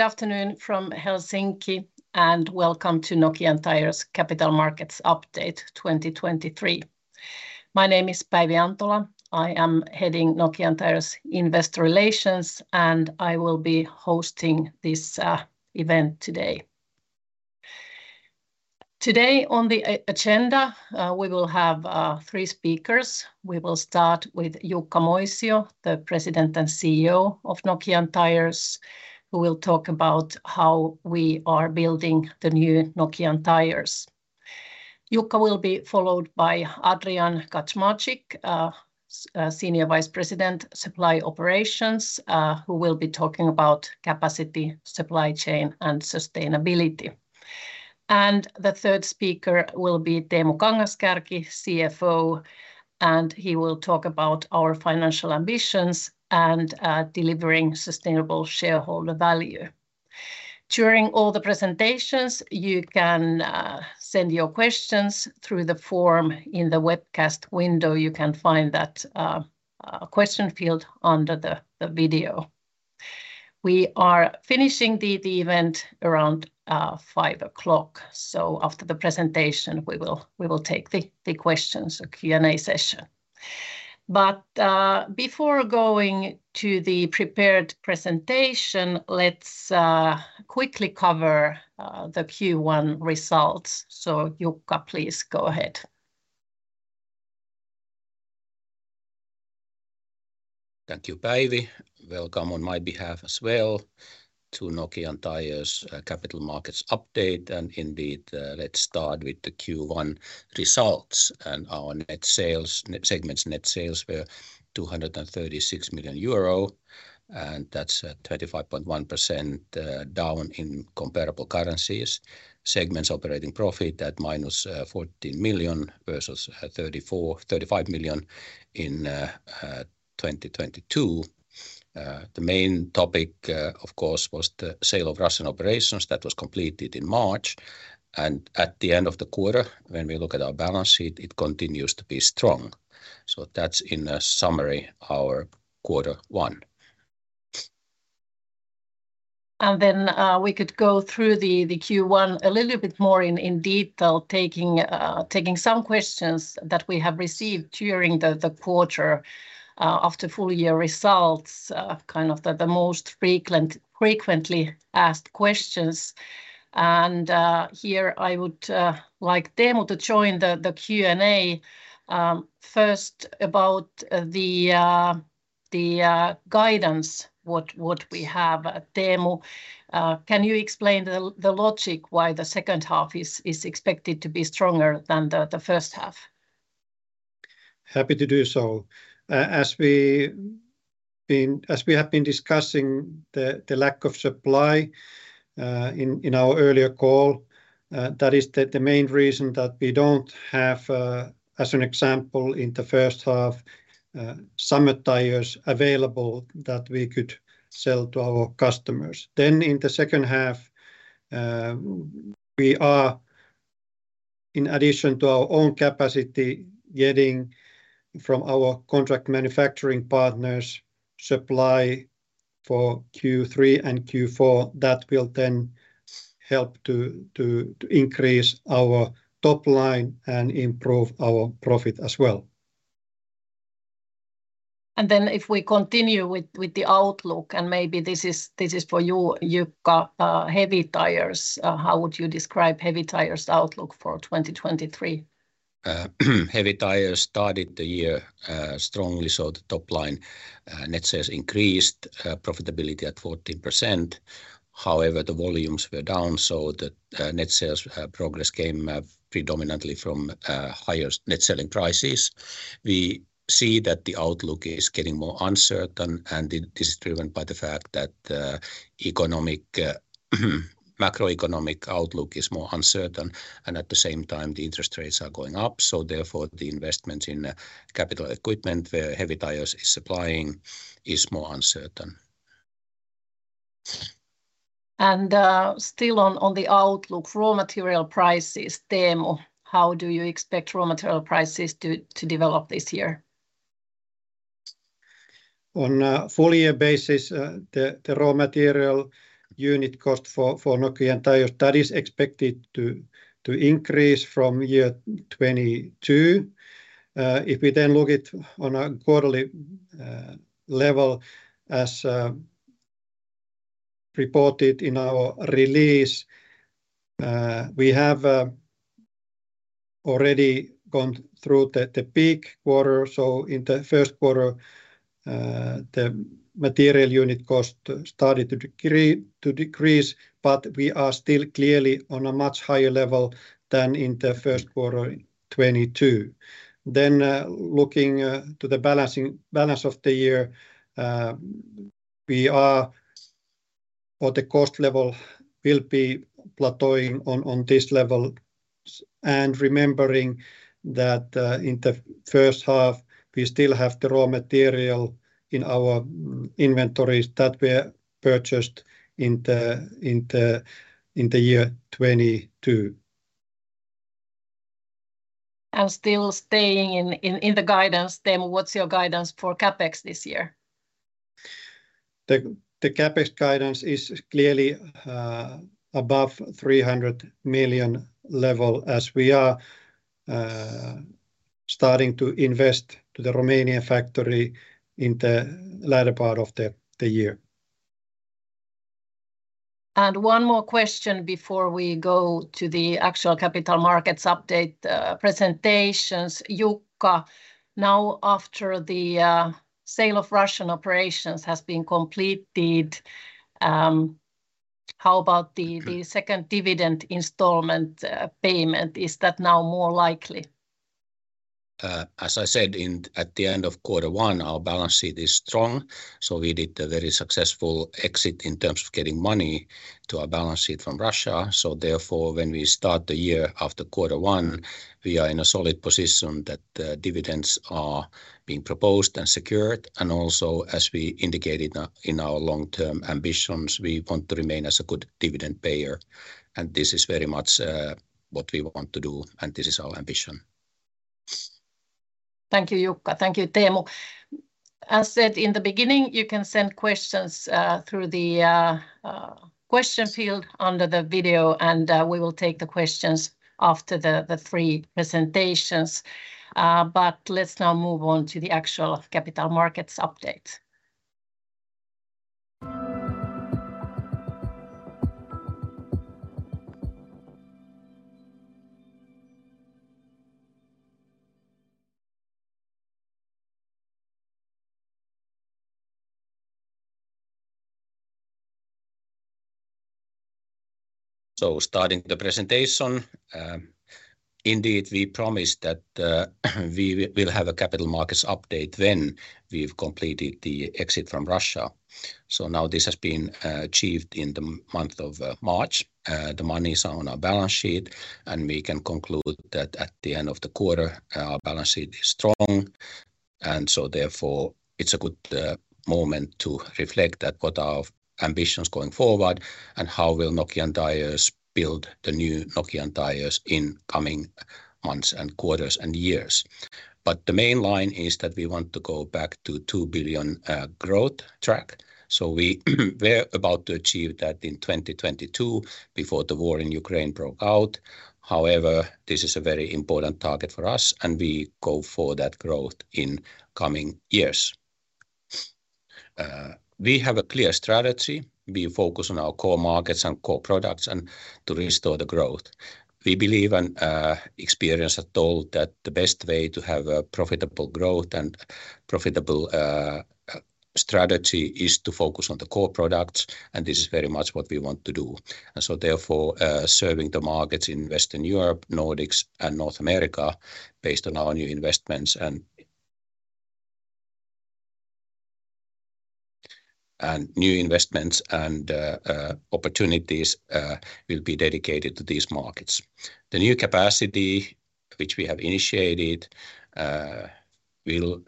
Good afternoon from Helsinki, and welcome to Nokian Tyres Capital Markets Update 2023. My name is Päivi Antola. I am heading Nokian Tyres Investor Relations. I will be hosting this event today. Today, on the agenda, we will have three speakers. We will start with Jukka Moisio, the President and CEO of Nokian Tyres, who will talk about how we are building the new Nokian Tyres. Jukka will be followed by Adrian Kaczmarczyk, Senior Vice President Supply Operations, who will be talking about capacity, supply chain, and sustainability. The third speaker will be Teemu Kangas-Kärki, CFO. He will talk about our financial ambitions and delivering sustainable shareholder value. During all the presentations, you can send your questions through the form in the webcast window. You can find that question field under the video. We are finishing the event around 5:00 P.M. After the presentation, we will take the questions, a Q&A session. Before going to the prepared presentation, let's quickly cover the Q1 results. Jukka, please go ahead. Thank you, Päivi. Welcome on my behalf as well to Nokian Tyres', Capital Markets Update. Indeed, let's start with the Q1 results. Our segment's net sales were 236 million euro, and that's 35.1% down in comparable currencies. Segment's operating profit at minus 14 million versus 35 million in 2022. The main topic, of course, was the sale of Russian operations. That was completed in March. At the end of the quarter, when we look at our balance sheet, it continues to be strong. That's in a summary our Q1. We could go through the Q1 a little bit more in detail, taking some questions that we have received during the quarter, after full-year results, kind of the most frequently asked questions. Here, I would like Teemu to join the Q&A, first about the guidance, what we have. Teemu, can you explain the logic why the second half is expected to be stronger than the first half? Happy to do so. As we have been discussing the lack of supply in our earlier call, that is the main reason that we don't have, as an example, in the first half, summer tires available that we could sell to our customers. In the second half, we are in addition to our own capacity getting from our contract manufacturing partners supply for Q3 and Q4 that will help to increase our top line and improve our profit as well. If we continue with the outlook, and maybe this is for you, Jukka, heavy tires. How would you describe heavy tires outlook for 2023? Heavy tires started the year strongly, so the top line net sales increased, profitability at 14%. However, the volumes were down, so the net sales progress came predominantly from higher net selling prices. We see that the outlook is getting more uncertain, and this is driven by the fact that macroeconomic outlook is more uncertain, and at the same time, the interest rates are going up, so therefore the investment in capital equipment where heavy tires is supplying is more uncertain. Still on the outlook, raw material prices, Teemu, how do you expect raw material prices to develop this year? On a full-year basis, the raw material unit cost for Nokian Tyres, that is expected to increase from year 2022. If we then look it on a quarterly level as reported in our release, we have already gone through the peak quarter. In the first quarter, the material unit cost started to decrease, but we are still clearly on a much higher level than in the first quarter 2022. Looking to the balance of the year, the cost level will be plateauing on this level. Remembering that in the first half, we still have the raw material in our inventories that were purchased in the year 2022. Still staying in the guidance, Teemu, what's your guidance for CapEx this year? The CapEx guidance is clearly above 300 million level as we are starting to invest to the Romanian factory in the latter part of the year. One more question before we go to the actual capital markets update, presentations. Jukka, now after the sale of Russian operations has been completed, how about. Sure... the second dividend installment, payment? Is that now more likely? As I said at the end of quarter one, our balance sheet is strong. We did a very successful exit in terms of getting money to our balance sheet from Russia. Therefore, when we start the year after quarter one, we are in a solid position that dividends are being proposed and secured. Also, as we indicated in our long-term ambitions, we want to remain as a good dividend payer. This is very much what we want to do, and this is our ambition. Thank you, Jukka. Thank you, Teemu. As said in the beginning, you can send questions through the question field under the video, and we will take the questions after the three presentations. Let's now move on to the actual capital markets update. Starting the presentation, indeed we promised that we will have a capital markets update when we've completed the exit from Russia. Now this has been achieved in the month of March. The money is on our balance sheet, and we can conclude that at the end of the quarter, our balance sheet is strong. Therefore it's a good moment to reflect at what our ambitions going forward and how will Nokian Tyres build the new Nokian Tyres in coming months and quarters and years. The main line is that we want to go back to 2 billion growth track. We were about to achieve that in 2022 before the war in Ukraine broke out. However, this is a very important target for us, and we go for that growth in coming years. We have a clear strategy. We focus on our core markets and core products and to restore the growth. We believe and experience has told that the best way to have a profitable growth and profitable strategy is to focus on the core products, and this is very much what we want to do. Therefore, serving the markets in Western Europe, Nordics, and North America based on our new investments and opportunities will be dedicated to these markets. The new capacity which we have initiated will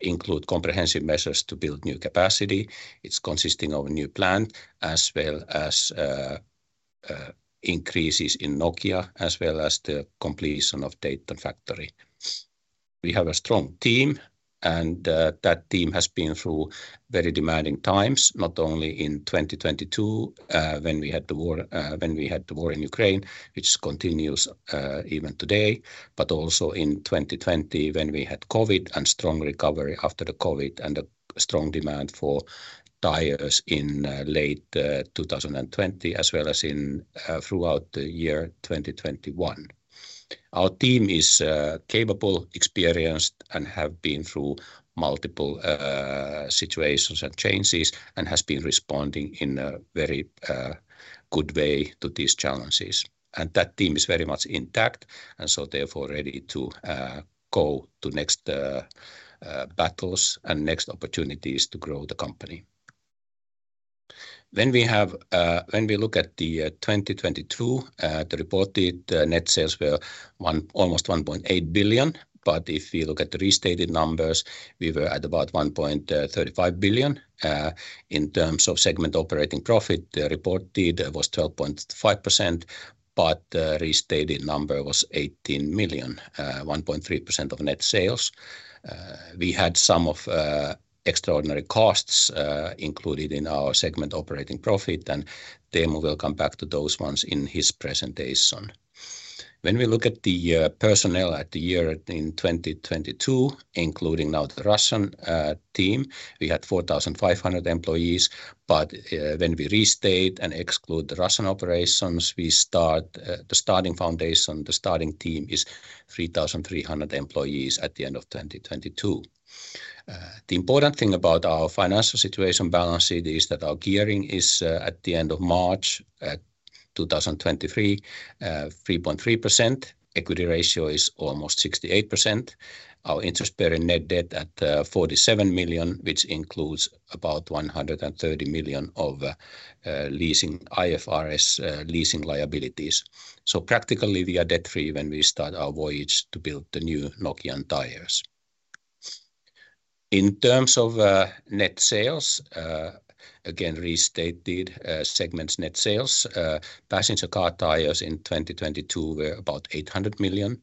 include comprehensive measures to build new capacity. It's consisting of a new plant as well as increases in Nokian Tyres, as well as the completion of Dayton factory. We have a strong team, and that team has been through very demanding times, not only in 2022, when we had the war, when we had the war in Ukraine, which continues even today, but also in 2020 when we had COVID and strong recovery after the COVID and a strong demand for tires in late 2020 as well as in throughout the year 2021. Our team is capable, experienced, and have been through multiple situations and changes and has been responding in a very good way to these challenges. That team is very much intact and so therefore ready to go to next battles and next opportunities to grow the company. We have, when we look at 2022, the reported net sales were almost 1.8 billion. If you look at the restated numbers, we were at about 1.35 billion. In terms of segment operating profit, the reported was 12.5%, but the restated number was 18 million, 1.3% of net sales. We had some of extraordinary costs included in our segment operating profit, and Teemu will come back to those ones in his presentation. When we look at the personnel at the year in 2022, including now the Russian team, we had 4,500 employees. When we restate and exclude the Russian operations, we start, the starting foundation, the starting team is 3,300 employees at the end of 2022. The important thing about our financial situation balance sheet is that our gearing is at the end of March 2023, 3.3%. Equity ratio is almost 68%. Our interest-bearing net debt at 47 million, which includes about 130 million of leasing IFRS leasing liabilities. Practically, we are debt-free when we start our voyage to build the new Nokian Tyres. In terms of net sales, again restated, segments net sales, passenger car tires in 2022 were about 800 million.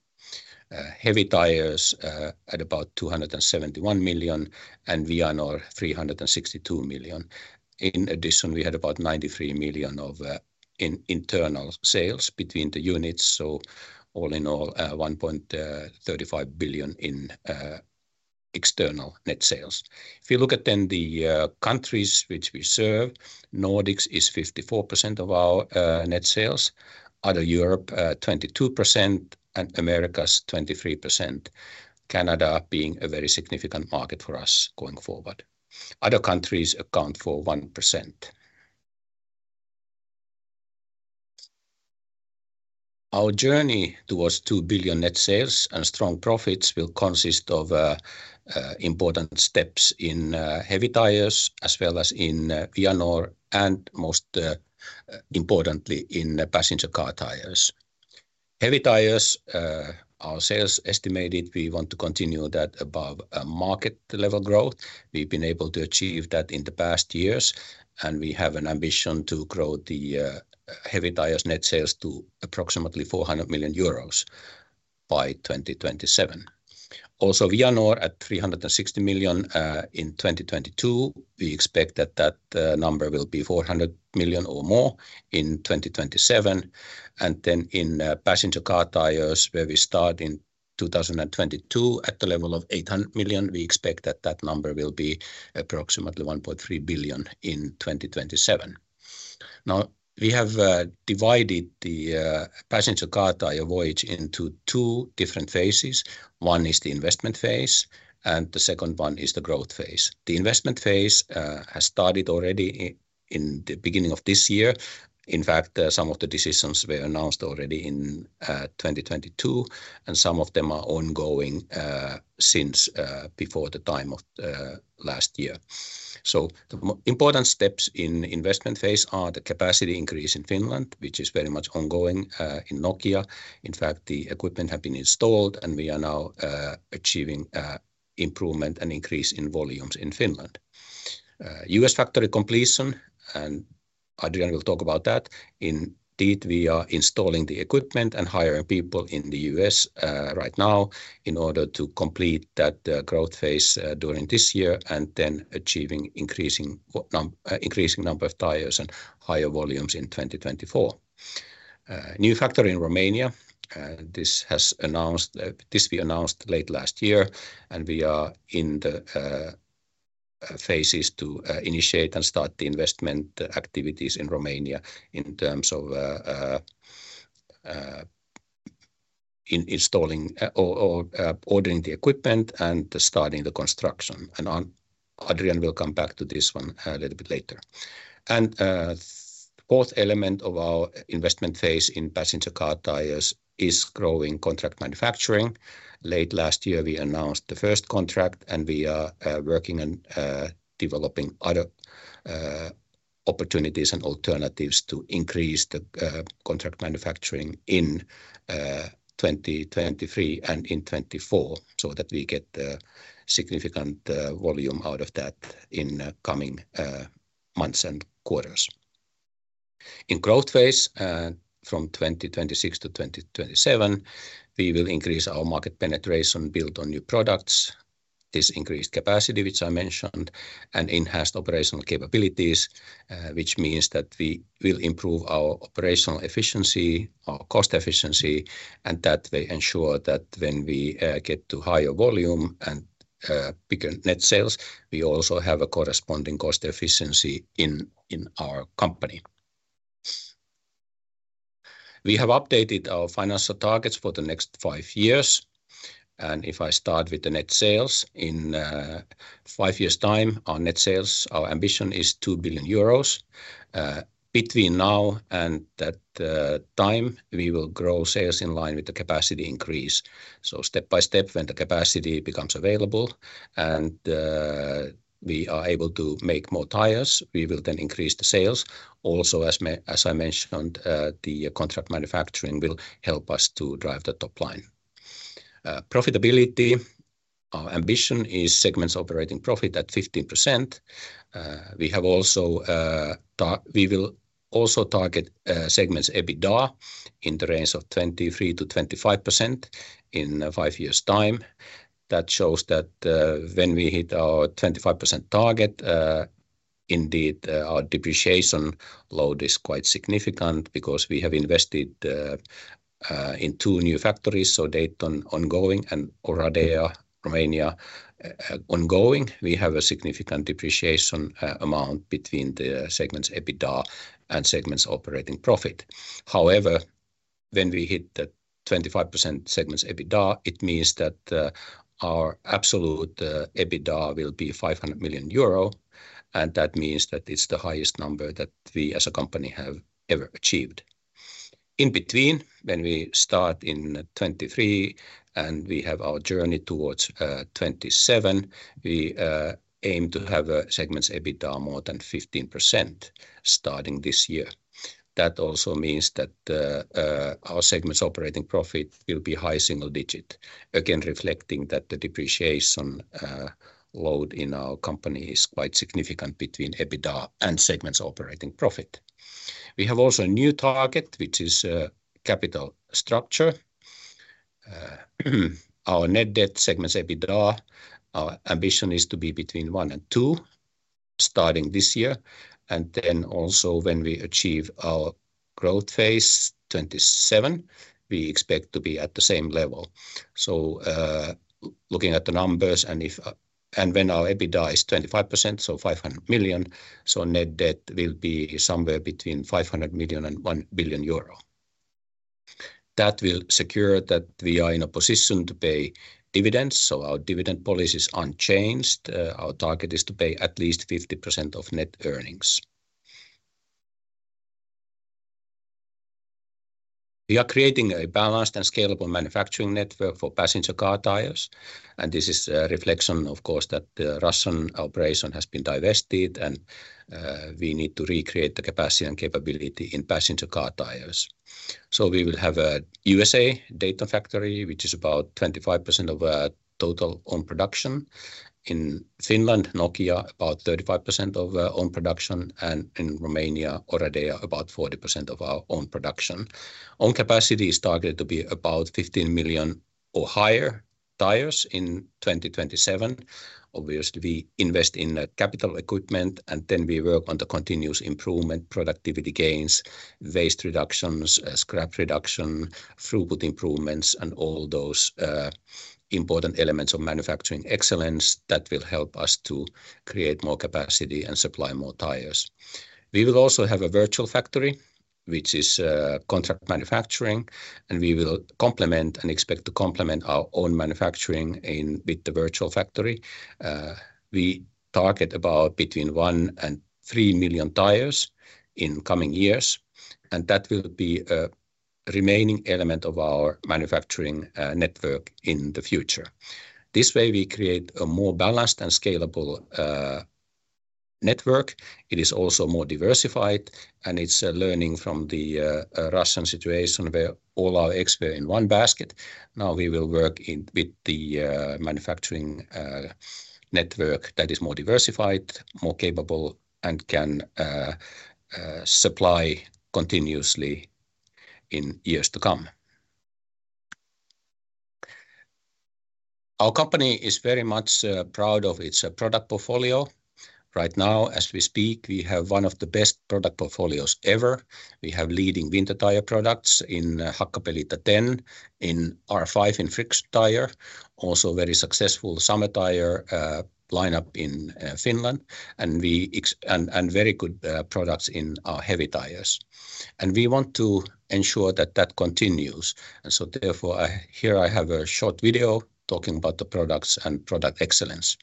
Heavy tires at about 271 million and Vianor 362 million. In addition, we had about 93 million of in-internal sales between the units. All in all, 1.35 billion in external net sales. If you look at then the countries which we serve, Nordics is 54% of our net sales, other Europe, 22% and Americas 23%. Canada being a very significant market for us going forward. Other countries account for 1%. Our journey towards 2 billion net sales and strong profits will consist of important steps in heavy tires as well as in Vianor, and most importantly in passenger car tires. Heavy tires, our sales estimated, we want to continue that above market level growth. We've been able to achieve that in the past years. We have an ambition to grow the heavy tires net sales to approximately 400 million euros by 2027. Vianor at 360 million in 2022. We expect that number will be 400 million or more in 2027. Then in passenger car tires where we start in 2022 at the level of 800 million, we expect that number will be approximately 1.3 billion in 2027. We have divided the passenger car tire voyage into two different phases. One is the investment phase and the second one is the growth phase. The investment phase has started already in the beginning of this year. In fact, some of the decisions were announced already in 2022, and some of them are ongoing since before the time of last year. The important steps in investment phase are the capacity increase in Finland, which is very much ongoing in Nokia. In fact, the equipment have been installed and we are now achieving improvement and increase in volumes in Finland. U.S. factory completion, and Adrian will talk about that. Indeed, we are installing the equipment and hiring people in the U.S. right now in order to complete that growth phase during this year and then achieving increasing number of tires and higher volumes in 2024. New factory in Romania, this we announced late last year and we are in the phases to initiate and start the investment activities in Romania in terms of installing or ordering the equipment and starting the construction. Adrian will come back to this one a little bit later. Fourth element of our investment phase in passenger car tires is growing contract manufacturing. Late last year we announced the first contract and we are working on developing other opportunities and alternatives to increase the contract manufacturing in 2023 and in 2024, so that we get significant volume out of that in coming months and quarters. In growth phase, from 2026 to 2027, we will increase our market penetration build on new products. This increased capacity, which I mentioned, and enhanced operational capabilities, which means that we will improve our operational efficiency, our cost efficiency, and that they ensure that when we get to higher volume and bigger net sales, we also have a corresponding cost efficiency in our company. We have updated our financial targets for the next 5 years. If I start with the net sales in 5 years' time, our net sales, our ambition is 2 billion euros. Between now and that time, we will grow sales in line with the capacity increase. Step by step, when the capacity becomes available and we are able to make more tires, we will then increase the sales. As I mentioned, the contract manufacturing will help us to drive the top line. Profitability. Our ambition is segments operating profit at 15%. We will also target segments EBITDA in the range of 23%-25% in 5 years' time. That shows that when we hit our 25% target, indeed, our depreciation load is quite significant because we have invested in 2 new factories. Dayton ongoing and Oradea, Romania, ongoing. We have a significant depreciation amount between the segments EBITDA and segments operating profit. When we hit the 25% segments EBITDA, it means that our absolute EBITDA will be 500 million euro, and that means that it's the highest number that we as a company have ever achieved. In between, when we start in 2023 and we have our journey towards 2027, we aim to have segments EBITDA more than 15% starting this year. That also means that our segment's operating profit will be high single digit, again reflecting that the depreciation load in our company is quite significant between EBITDA and segment's operating profit. We have also a new target, which is capital structure. Our net debt-segments EBITDA, our ambition is to be between 1-2 starting this year. When we achieve our growth phase, 2027, we expect to be at the same level. Looking at the numbers and if and when our EBITDA is 25%, so 500 million, net debt will be somewhere between 500 million and 1 billion euro. That will secure that we are in a position to pay dividends. Our dividend policy is unchanged. Our target is to pay at least 50% of net earnings. We are creating a balanced and scalable manufacturing network for passenger car tires, and this is a reflection, of course, that the Russian operation has been divested and we need to recreate the capacity and capability in passenger car tires. We will have a USA Dayton factory, which is about 25% of total own production. In Finland, Nokia, about 35% of own production. In Romania, Oradea, about 40% of our own production. Own capacity is targeted to be about 15 million or higher tires in 2027. We invest in capital equipment, and then we work on the continuous improvement, productivity gains, waste reductions, scrap reduction, throughput improvements, and all those important elements of manufacturing excellence that will help us to create more capacity and supply more tires. We will also have a virtual factory, which is contract manufacturing, and we will complement and expect to complement our own manufacturing in with the virtual factory. We target about between 1 million and 3 million tires in coming years, and that will be a remaining element of our manufacturing network in the future. This way, we create a more balanced and scalable network. It is also more diversified, and it's learning from the Russian situation where all our eggs were in one basket. Now we will work with the manufacturing network that is more diversified, more capable, and can supply continuously in years to come. Our company is very much proud of its product portfolio. Right now, as we speak, we have one of the best product portfolios ever. We have leading winter tire products in Hakkapeliitta 10, in R5 in friction tire. Also very successful summer tire lineup in Finland, and very good products in our heavy tires. We want to ensure that that continues. Therefore, here I have a short video talking about the products and product excellence.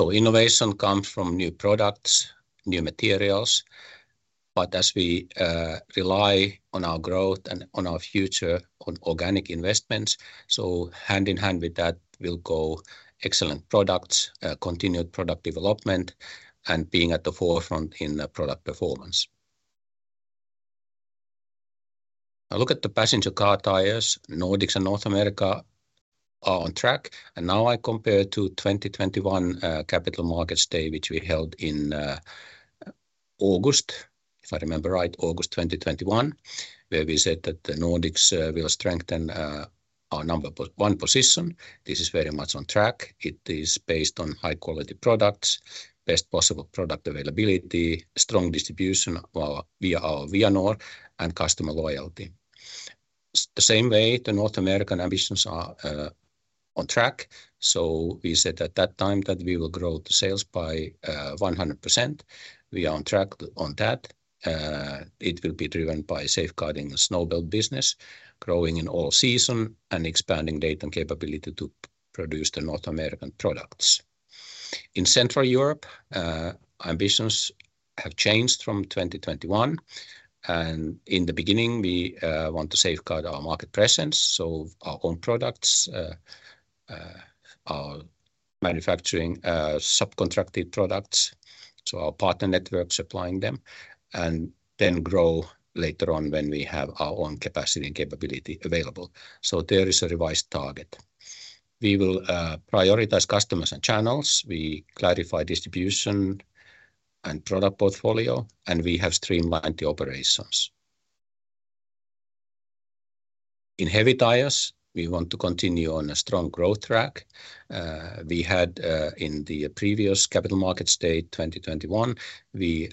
Innovation comes from new products, new materials, but as we rely on our growth and on our future on organic investments, hand in hand with that will go excellent products, continued product development, and being at the forefront in product performance. Look at the passenger car tires. Nordics and North America are on track. I compare to 2021 Capital Markets Day, which we held in August, if I remember right, August 2021, where we said that the Nordics will strengthen Our number one position. This is very much on track. It is based on high quality products, best possible product availability, strong distribution via our Vianor, and customer loyalty. The same way, the North American ambitions are on track. We said at that time that we will grow the sales by 100%. We are on track on that. It will be driven by safeguarding the snow belt business, growing in all season, and expanding data and capability to produce the North American products. In Central Europe, ambitions have changed from 2021. In the beginning, we want to safeguard our market presence, our own products, our manufacturing, subcontracted products, our partner network supplying them. Grow later on when we have our own capacity and capability available. There is a revised target. We will prioritize customers and channels. We clarify distribution and product portfolio. We have streamlined the operations. In heavy tires, we want to continue on a strong growth track. We had in the previous capital market state, 2021, we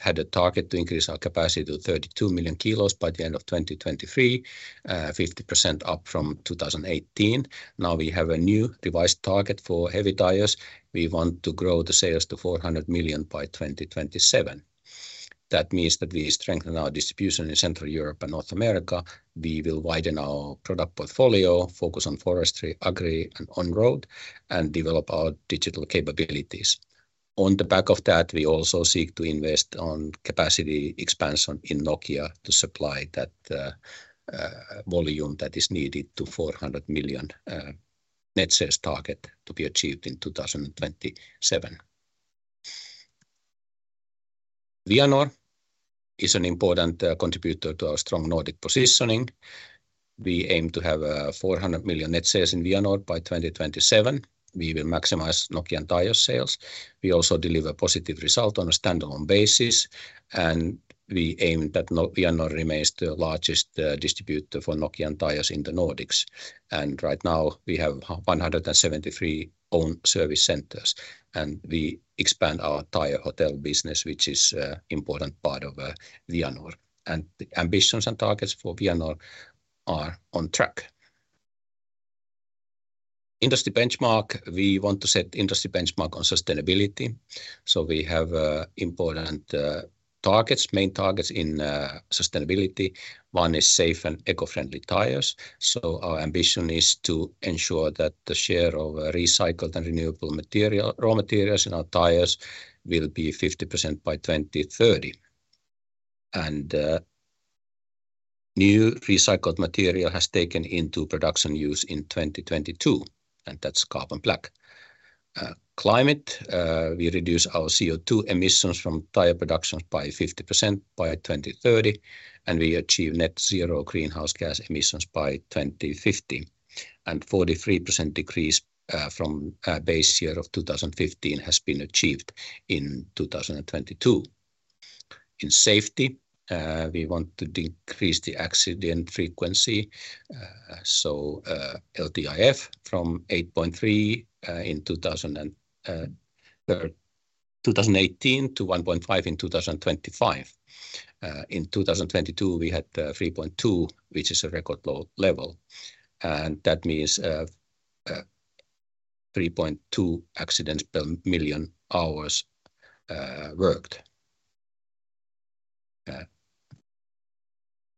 had a target to increase our capacity to 32 million kilos by the end of 2023, 50% up from 2018. We have a new revised target for heavy tires. We want to grow the sales to 400 million by 2027. Means that we strengthen our distribution in Central Europe and North America. We will widen our product portfolio, focus on forestry, agri, and on-road, and develop our digital capabilities. On the back of that, we also seek to invest on capacity expansion in Nokia to supply that volume that is needed to 400 million net sales target to be achieved in 2027. Vianor is an important contributor to our strong Nordic positioning. We aim to have 400 million net sales in Vianor by 2027. We will maximize Nokian Tyres sales. We also deliver positive result on a standalone basis. We aim that Vianor remains the largest distributor for Nokian Tyres in the Nordics. Right now, we have 173 owned service centers, and we expand our tire hotel business, which is important part of Vianor. The ambitions and targets for Vianor are on track. Industry benchmark, we want to set industry benchmark on sustainability. We have important targets, main targets in sustainability. One is safe and eco-friendly tires. Our ambition is to ensure that the share of recycled and renewable material, raw materials in our tires will be 50% by 2030. New recycled material has taken into production use in 2022, and that's carbon black. Climate, we reduce our CO2 emissions from tire production by 50% by 2030, and we achieve net zero greenhouse gas emissions by 2050. 43% decrease from base year of 2015 has been achieved in 2022. In safety, we want to decrease the accident frequency. LTIF from 8.3 in 2018 to 1.5 in 2025. In 2022, we had 3.2, which is a record low level. That means 3.2 accidents per million hours worked.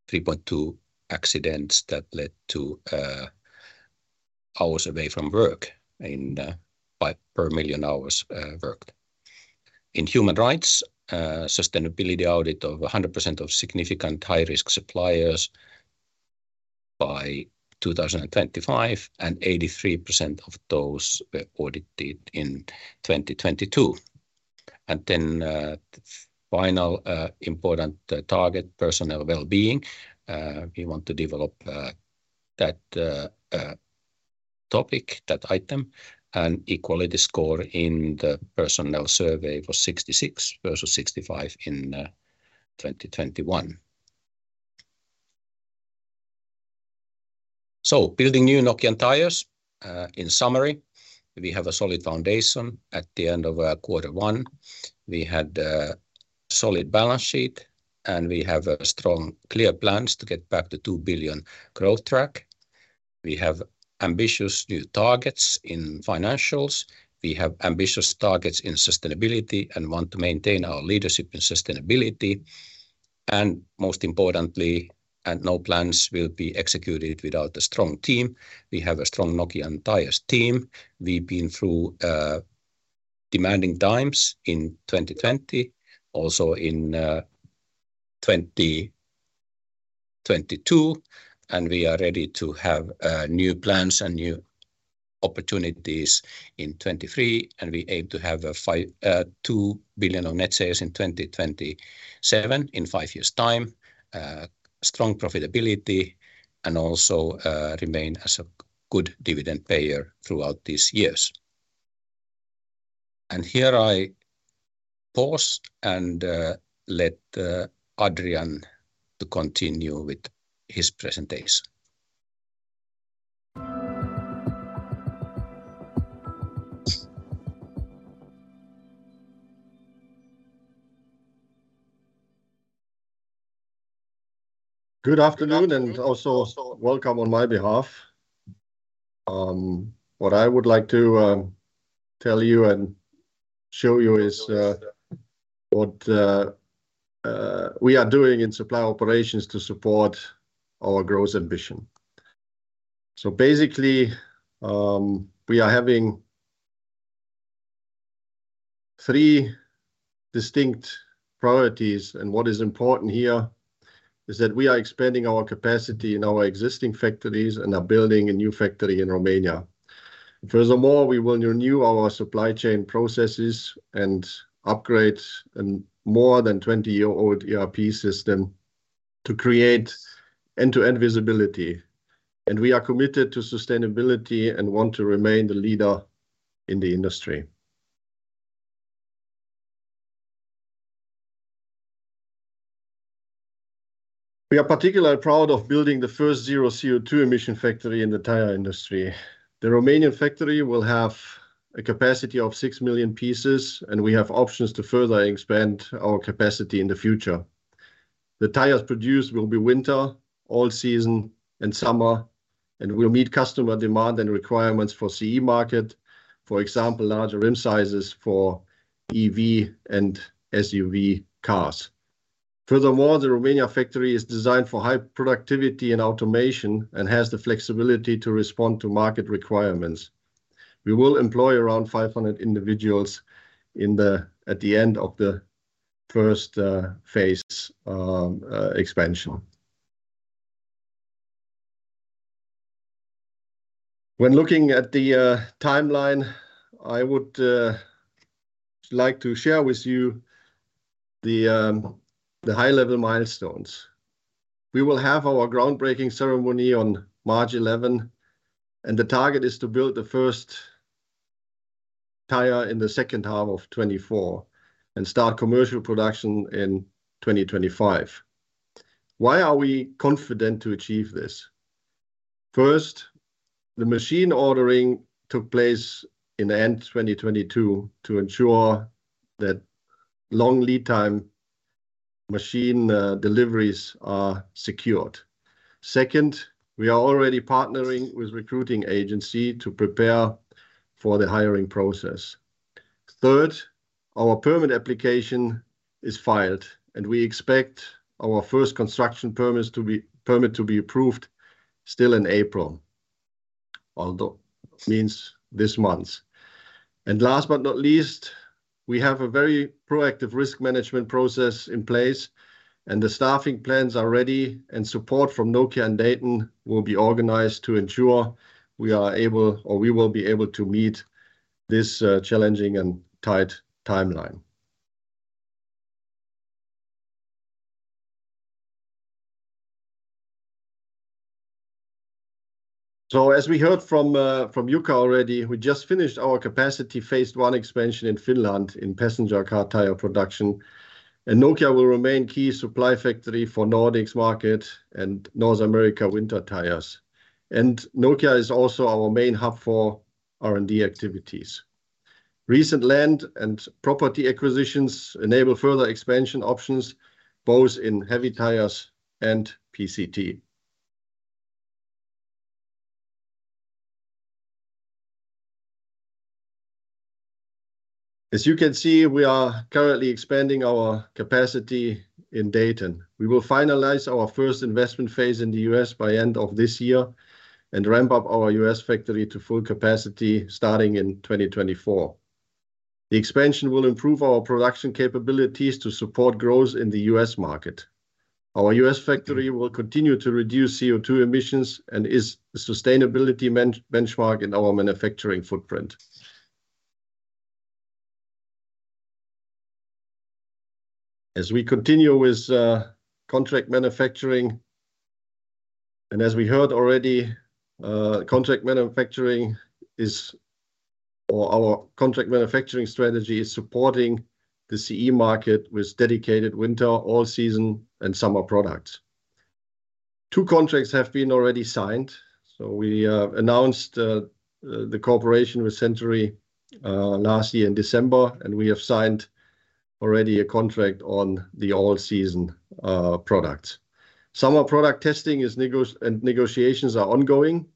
3.2 accidents that led to hours away from work per million hours worked. In human rights, sustainability audit of 100% of significant high-risk suppliers by 2025, and 83% of those were audited in 2022. Final important target, personnel well-being, we want to develop that topic, that item. Equality score in the personnel survey was 66 versus 65 in 2021. Building new Nokian Tyres, in summary, we have a solid foundation. At the end of quarter 1, we had a solid balance sheet, and we have strong, clear plans to get back the 2 billion growth track. We have ambitious new targets in financials. We have ambitious targets in sustainability and want to maintain our leadership in sustainability. Most importantly, no plans will be executed without a strong team, we have a strong Nokian Tyres team. We've been through demanding times in 2020, also in 2022, we are ready to have new plans and new opportunities in 2023, and we aim to have 2 billion of net sales in 2027, in 5 years' time, strong profitability, and also remain as a good dividend payer throughout these years. Here I pause and let Adrian to continue with his presentation. Good afternoon, also welcome on my behalf. What I would like to tell you and show you is what we are doing in supply operations to support our growth ambition. Basically, we are having three distinct priorities. What is important here is that we are expanding our capacity in our existing factories and are building a new factory in Romania. Furthermore, we will renew our supply chain processes and upgrade a more than 20-year-old ERP system to create end-to-end visibility. We are committed to sustainability and want to remain the leader in the industry. We are particularly proud of building the first zero CO2 emission factory in the tire industry. The Romanian factory will have a capacity of 6 million pieces, and we have options to further expand our capacity in the future. The tires produced will be winter, all season and summer, and will meet customer demand and requirements for CE market. For example, larger rim sizes for EV and SUV cars. Furthermore, the Romania factory is designed for high productivity and automation and has the flexibility to respond to market requirements. We will employ around 500 individuals at the end of the first phase expansion. When looking at the timeline, I would like to share with you the high-level milestones. We will have our groundbreaking ceremony on March 11, and the target is to build the first tire in the second half of 2024 and start commercial production in 2025. Why are we confident to achieve this? First, the machine ordering took place in the end of 2022 to ensure that long lead time machine deliveries are secured. Second, we are already partnering with recruiting agency to prepare for the hiring process. Third, our permit application is filed, and we expect our first construction permit to be approved still in April, although means this month. Last but not least, we have a very proactive risk management process in place, and the staffing plans are ready. Support from Nokian and Dayton will be organized to ensure we will be able to meet this challenging and tight timeline. As we heard from Jukka already, we just finished our capacity phase 1 expansion in Finland in passenger car tire production. Nokian will remain key supply factory for Nordics market and North America winter tires. Nokian is also our main hub for R&D activities. Recent land and property acquisitions enable further expansion options, both in heavy tires and PCT. As you can see, we are currently expanding our capacity in Dayton. We will finalize our first investment phase in the U.S., by end of this year and ramp up our U.S., factory to full capacity starting in 2024. The expansion will improve our production capabilities to support growth in the U.S., market. Our U.S., factory will continue to reduce CO2 emissions and is a sustainability benchmark in our manufacturing footprint. As we continue with contract manufacturing, and as we heard already, contract manufacturing is, or our contract manufacturing strategy is supporting the CE market with dedicated winter, all season and summer products. Two contracts have been already signed. We announced the cooperation with Sentury last year in December, and we have signed already a contract on the all season products. Summer product testing and negotiations are ongoing.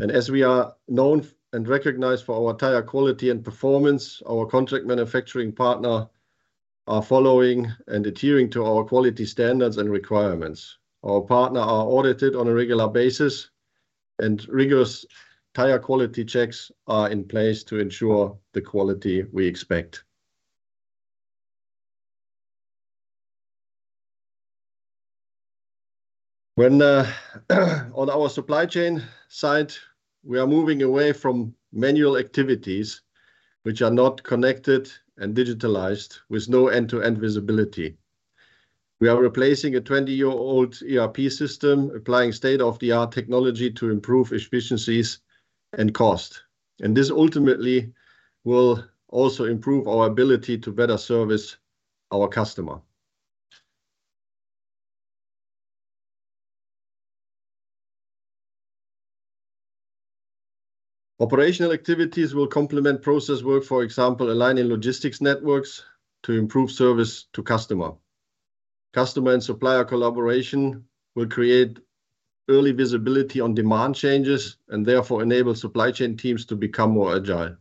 As we are known and recognized for our tire quality and performance, our contract manufacturing partner are following and adhering to our quality standards and requirements. Our partner are audited on a regular basis and rigorous tire quality checks are in place to ensure the quality we expect. When on our supply chain side, we are moving away from manual activities which are not connected and digitalized with no end-to-end visibility. We are replacing a 20-year-old ERP system, applying state-of-the-art technology to improve efficiencies and cost. This ultimately will also improve our ability to better service our customer. Operational activities will complement process work, for example, aligning logistics networks to improve service to customer. Customer and supplier collaboration will create early visibility on demand changes and therefore enable supply chain teams to become more agile.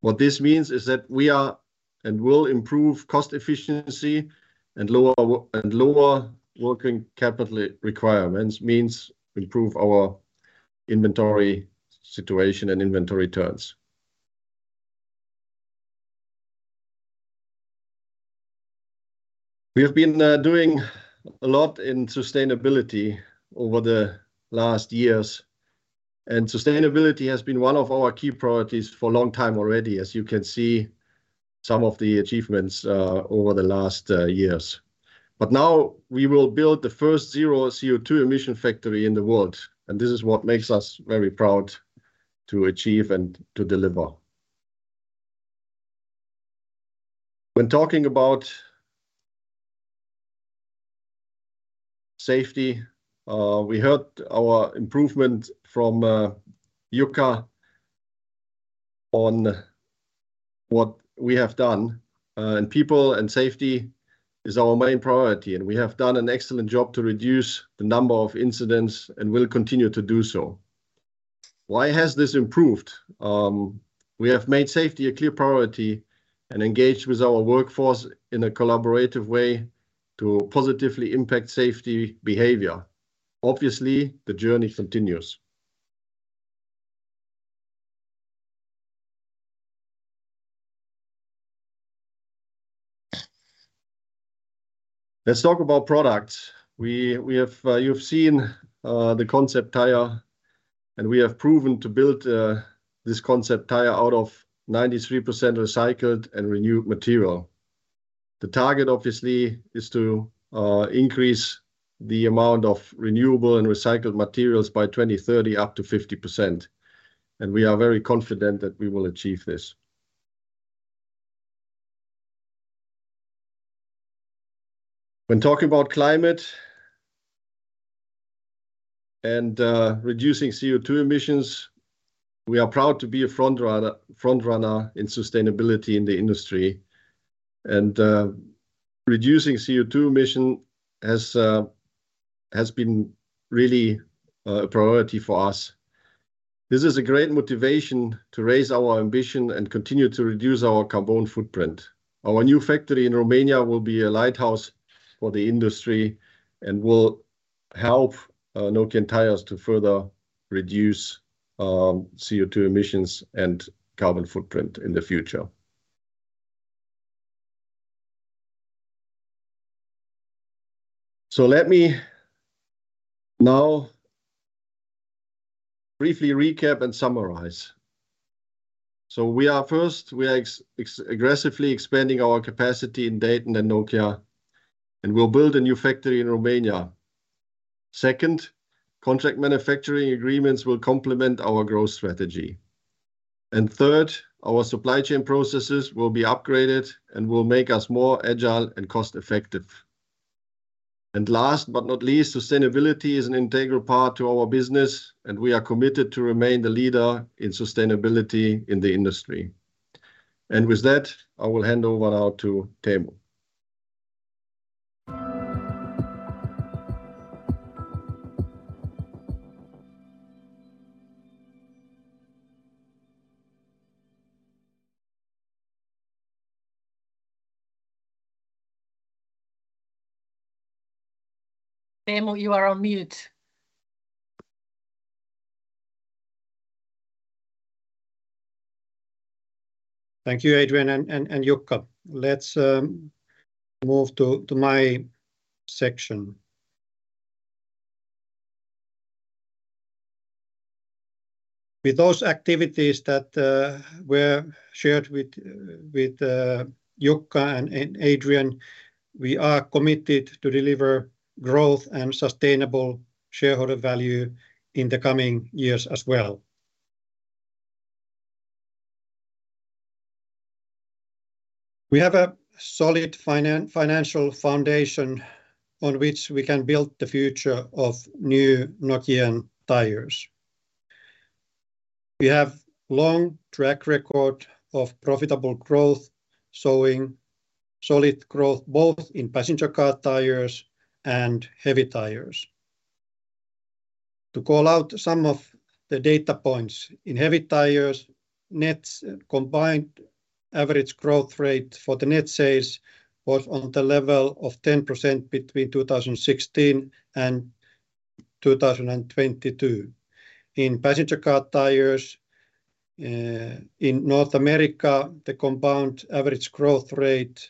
What this means is that we are and will improve cost efficiency and lower working capital requirements, means improve our inventory situation and inventory returns. We have been doing a lot in sustainability over the last years, sustainability has been one of our key priorities for a long time already, as you can see some of the achievements over the last years. Now we will build the first zero CO2 emission factory in the world, and this is what makes us very proud to achieve and to deliver. When talking about safety, we heard our improvement from Jukka on what we have done. People and safety is our main priority, and we have done an excellent job to reduce the number of incidents and will continue to do so. Why has this improved? We have made safety a clear priority and engaged with our workforce in a collaborative way to positively impact safety behavior. Obviously, the journey continues. Let's talk about products. You've seen the concept tire, and we have proven to build this concept tire out of 93% recycled and renewed material. The target, obviously, is to increase the amount of renewable and recycled materials by 2030 up to 50%, and we are very confident that we will achieve this. When talking about climate and reducing CO2 emissions, we are proud to be a front runner in sustainability in the industry. Reducing CO2 emission has been really a priority for us. This is a great motivation to raise our ambition and continue to reduce our carbon footprint. Our new factory in Romania will be a lighthouse for the industry and will help Nokian Tyres to further reduce CO2 emissions and carbon footprint in the future. Let me now briefly recap and summarize. We are first, we are aggressively expanding our capacity in Dayton and Nokia, and we'll build a new factory in Romania. Second, contract manufacturing agreements will complement our growth strategy. Third, our supply chain processes will be upgraded and will make us more agile and cost-effective. Last but not least, sustainability is an integral part to our business, and we are committed to remain the leader in sustainability in the industry. With that, I will hand over now to Teemu. Teemu, you are on mute. Thank you, Adrian and Jukka. Let's move to my section. With those activities that were shared with Jukka and Adrian, we are committed to deliver growth and sustainable shareholder value in the coming years as well. We have a solid financial foundation on which we can build the future of new Nokian Tyres. We have long track record of profitable growth, showing solid growth both in passenger car tires and heavy tires. To call out some of the data points, in heavy tires, net combined average growth rate for the net sales was on the level of 10% between 2016 and 2022. In passenger car tires, in North America, the compound average growth rate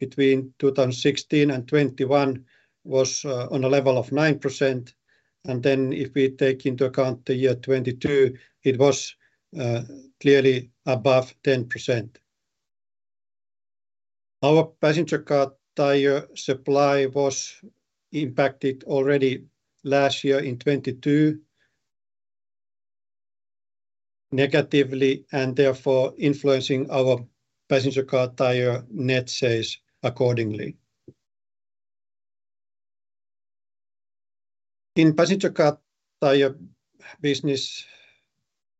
between 2016 and 2021 was on a level of 9%. If we take into account the year 2022, it was clearly above 10%. Our passenger car tire supply was impacted already last year in 2022 negatively, and therefore influencing our passenger car tire net sales accordingly. In passenger car tire business,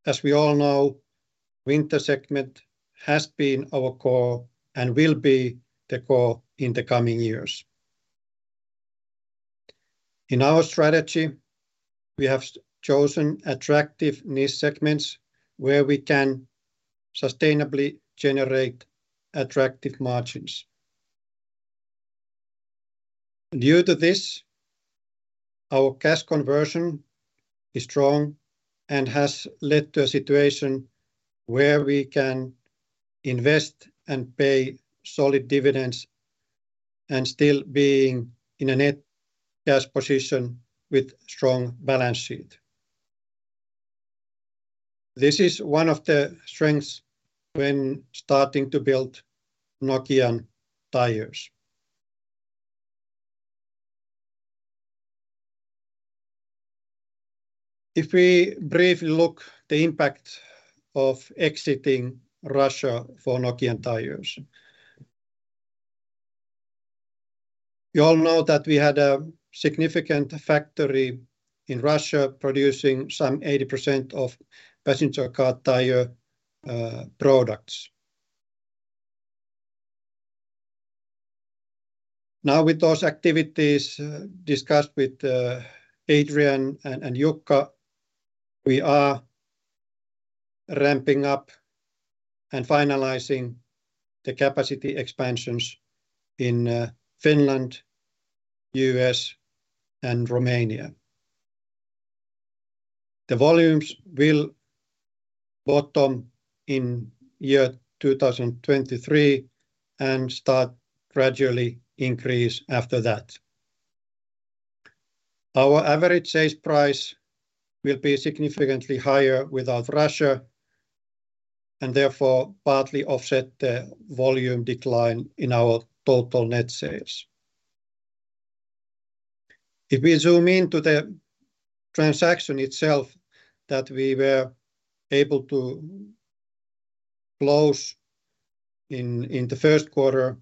as we all know, winter segment has been our core and will be the core in the coming years. In our strategy, we have chosen attractive niche segments where we can sustainably generate attractive margins. Due to this, our cash conversion is strong and has led to a situation where we can invest and pay solid dividends and still being in a net cash position with strong balance sheet. This is one of the strengths when starting to build Nokian Tyres. If we briefly look the impact of exiting Russia for Nokian Tyres. You all know that we had a significant factory in Russia producing some 80% of passenger car tire products. With those activities discussed with Adrian Kaczmarczyk and Jukka Moisio, we are ramping up and finalizing the capacity expansions in Finland, U.S., and Romania. The volumes will bottom in 2023 and start gradually increase after that. Our average sales price will be significantly higher without Russia and therefore partly offset the volume decline in our total net sales. If we zoom in to the transaction itself that we were able to close in the first quarter,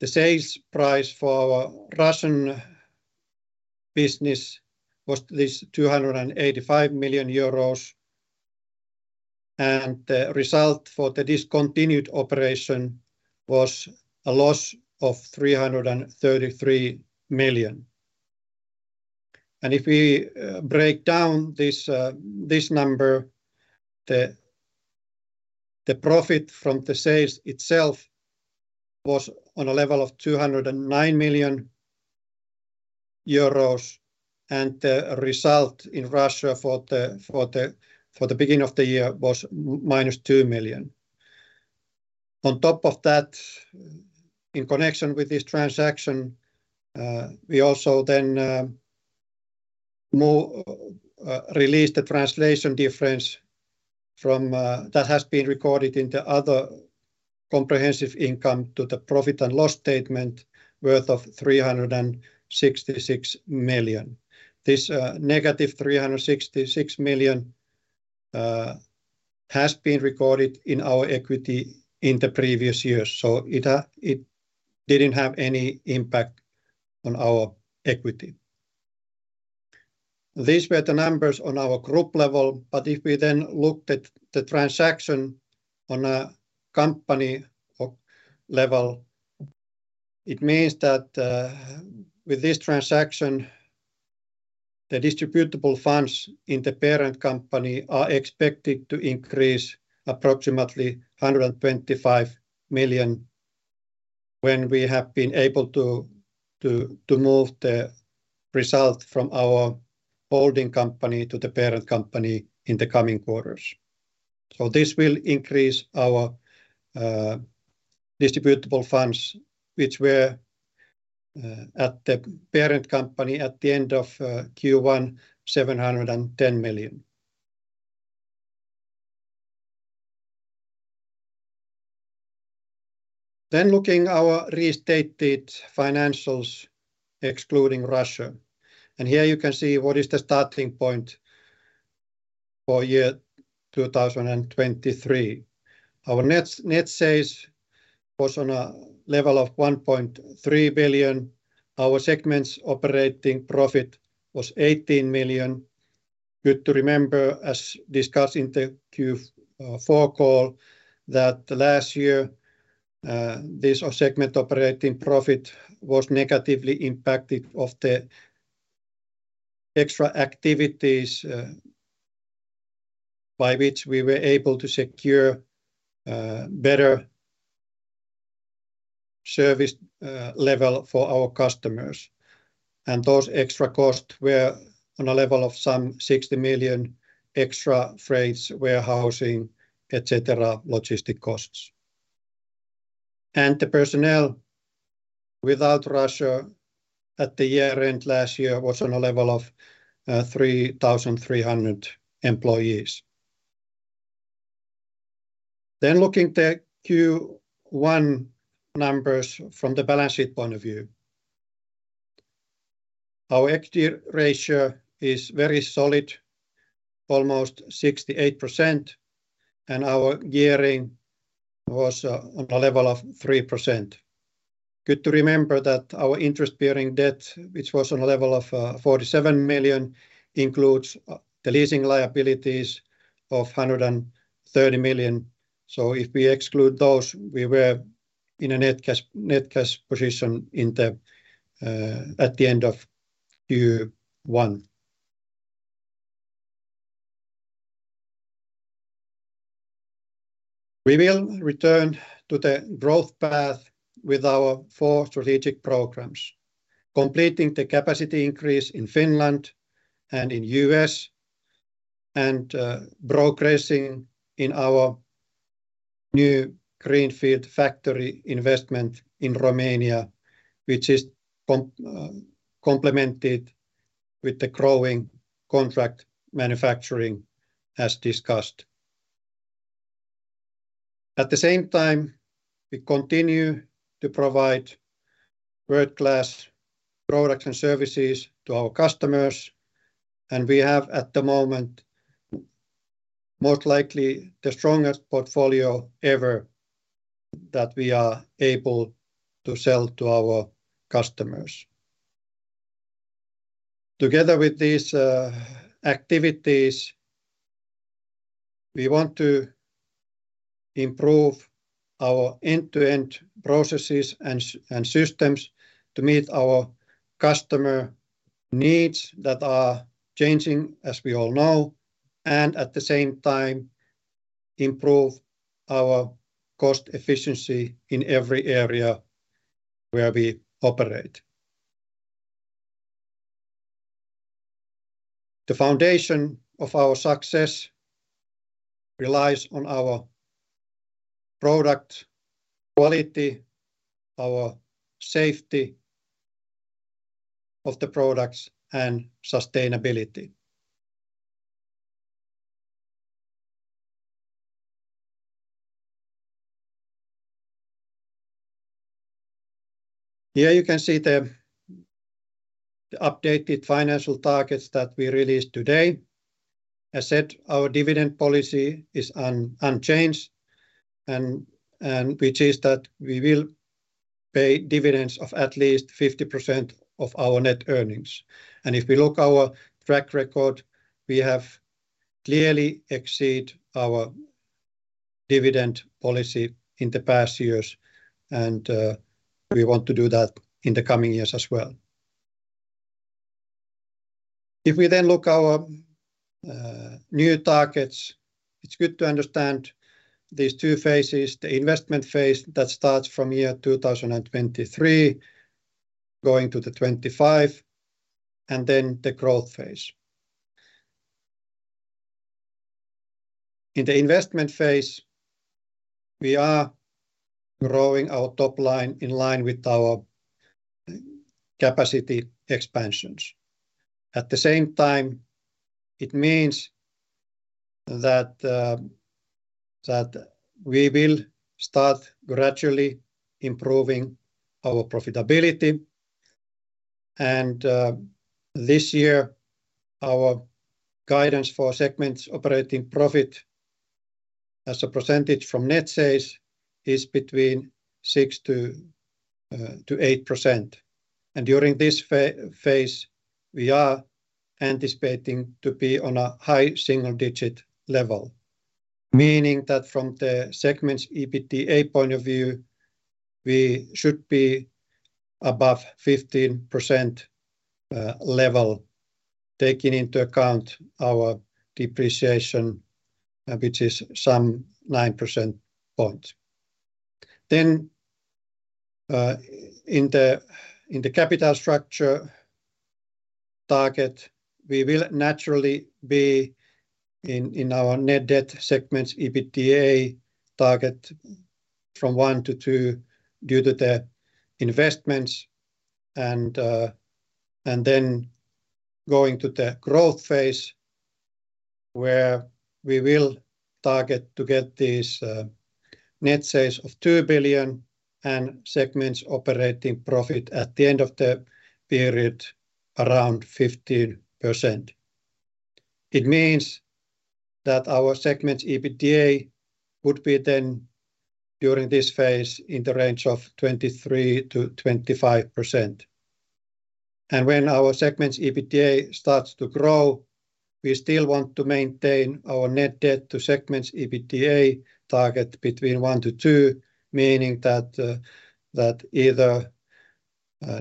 the sales price for our Russian business was this 285 million euros, and the result for the discontinued operation was a loss of 333 million. If we break down this number, the profit from the sales itself was on a level of 209 million euros, and the result in Russia for the beginning of the year was minus 2 million. In connection with this transaction, we also then release the translation difference from that has been recorded in the Other Comprehensive Income to the Profit and Loss Statement worth of 366 million. This negative 366 million has been recorded in our equity in the previous years, so it didn't have any impact on our equity. These were the numbers on our group level. If we looked at the transaction on a company level, it means that with this transaction, the distributable funds in the parent company are expected to increase approximately 125 million when we have been able to move the result from our holding company to the parent company in the coming quarters. This will increase our distributable funds which were at the parent company at the end of Q1, 710 million. Looking our restated financials excluding Russia. Here you can see what is the starting point for year 2023. Our net sales was on a level of 1.3 billion. Our segment's operating profit was 18 million. Good to remember, as discussed in the Q4 call, that last year, this segment operating profit was negatively impacted of the extra activities, by which we were able to secure better service level for our customers. Those extra costs were on a level of some 60 million extra freights, warehousing, et cetera, logistic costs. The personnel without Russia at the year-end last year was on a level of 3,300 employees. Looking at the Q1 numbers from the balance sheet point of view. Our equity ratio is very solid, almost 68%, and our gearing was on a level of 3%. Good to remember that our interest-bearing debt, which was on a level of 47 million, includes the leasing liabilities of 130 million. If we exclude those, we were in a net cash position at the end of Q1. We will return to the growth path with our four strategic programs, completing the capacity increase in Finland and in U.S. and progressing in our new greenfield factory investment in Romania, which is complemented with the growing contract manufacturing as discussed. At the same time, we continue to provide world-class products and services to our customers, and we have at the moment most likely the strongest portfolio ever that we are able to sell to our customers. Together with these activities, we want to improve our end-to-end processes and systems to meet our customer needs that are changing as we all know and at the same time improve our cost efficiency in every area where we operate. The foundation of our success relies on our product quality, our safety of the products, and sustainability. Here you can see the updated financial targets that we released today. As said, our dividend policy is unchanged and which is that we will pay dividends of at least 50% of our net earnings. If we look our track record, we have clearly exceed our dividend policy in the past years and we want to do that in the coming years as well. If we look our new targets, it's good to understand these two phases, the investment phase that starts from year 2023 going to the 25, and then the growth phase. In the investment phase, we are growing our top line in line with our capacity expansions. At the same time, it means that we will start gradually improving our profitability. This year our guidance for segments operating profit as a percentage from net sales is between 6%-8%. During this phase, we are anticipating to be on a high single-digit level, meaning that from the segment's EBITDA point of view, we should be above 15% level taking into account our depreciation, which is some 9 percentage points. In the capital structure target, we will naturally be in our net debt segments EBITDA target from 1-2 due to the investments then going to the growth phase where we will target to get these net sales of 2 billion and segments operating profit at the end of the period around 15%. It means that our segments EBITDA would be then during this phase in the range of 23%-25%. When our segments EBITDA starts to grow, we still want to maintain our net debt to segments EBITDA target between 1 to 2, meaning that either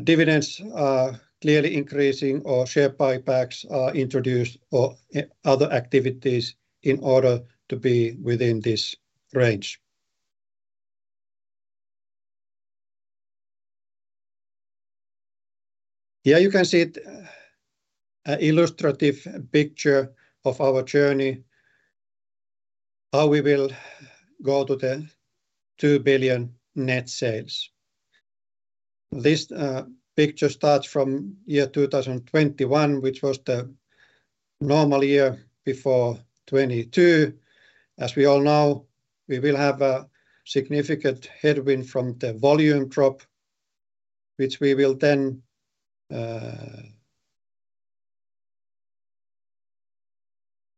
dividends are clearly increasing or share buybacks are introduced or other activities in order to be within this range. Yeah, you can see it, illustrative picture of our journey, how we will go to the 2 billion net sales. This picture starts from year 2021, which was the normal year before 2022. As we all know, we will have a significant headwind from the volume drop, which we will then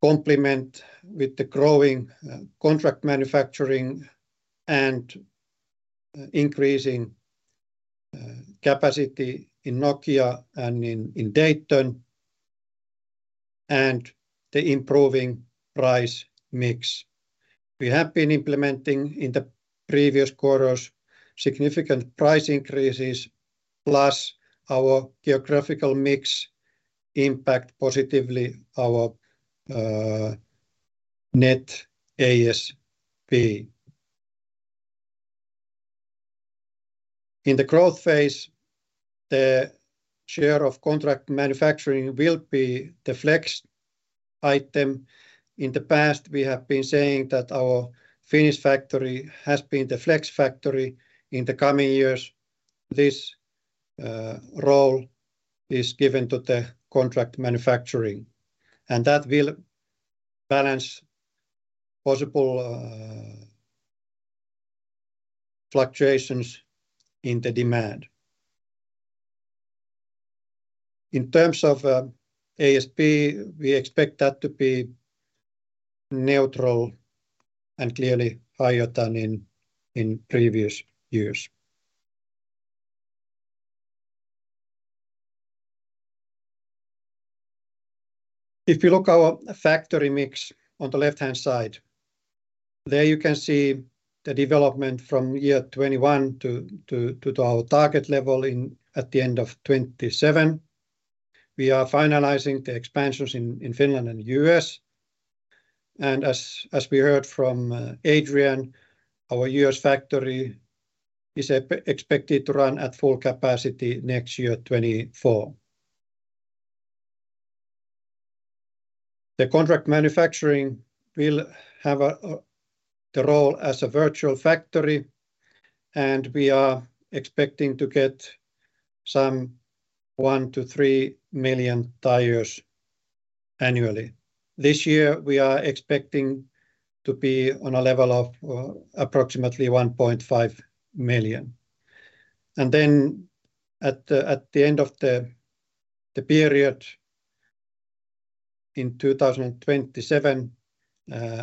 complement with the growing contract manufacturing and increasing capacity in Nokia and in Dayton, and the improving price mix. We have been implementing in the previous quarters significant price increases, plus our geographical mix impact positively our net ASP. In the growth phase, the share of contract manufacturing will be the flex item. In the past, we have been saying that our Finnish factory has been the flex factory. In the coming years, this role is given to the contract manufacturing, and that will balance possible fluctuations in the demand. In terms of ASP, we expect that to be neutral and clearly higher than in previous years. If you look our factory mix on the left-hand side, there you can see the development from year 2021 to our target level at the end of 2027. We are finalizing the expansions in Finland and U.S. As we heard from Adrian Kaczmarczyk, our U.S., factory is expected to run at full capacity next year, 2024. The contract manufacturing will have the role as a virtual factory, and we are expecting to get some 1-3 million tires annually. This year we are expecting to be on a level of approximately 1.5 million. At the end of the period in 2027,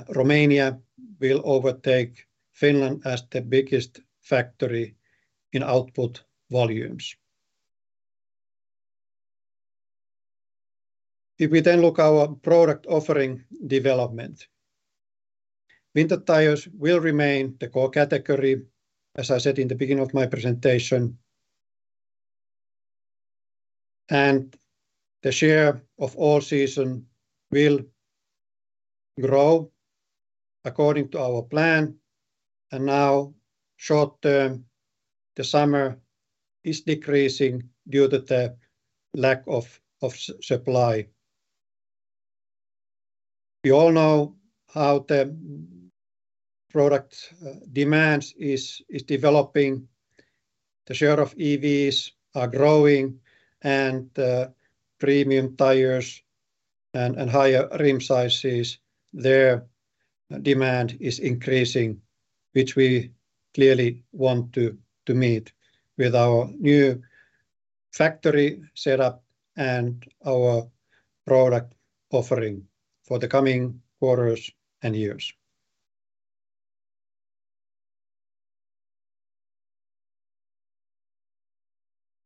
Romania will overtake Finland as the biggest factory in output volumes. If we then look our product offering development, winter tires will remain the core category, as I said in the beginning of my presentation. The share of all season will grow according to our plan. Now short-term, the summer is decreasing due to the lack of supply. We all know how the product demands is developing. The share of EVs are growing and premium tires and higher rim sizes their demand is increasing, which we clearly want to meet with our new factory setup and our product offering for the coming quarters and years.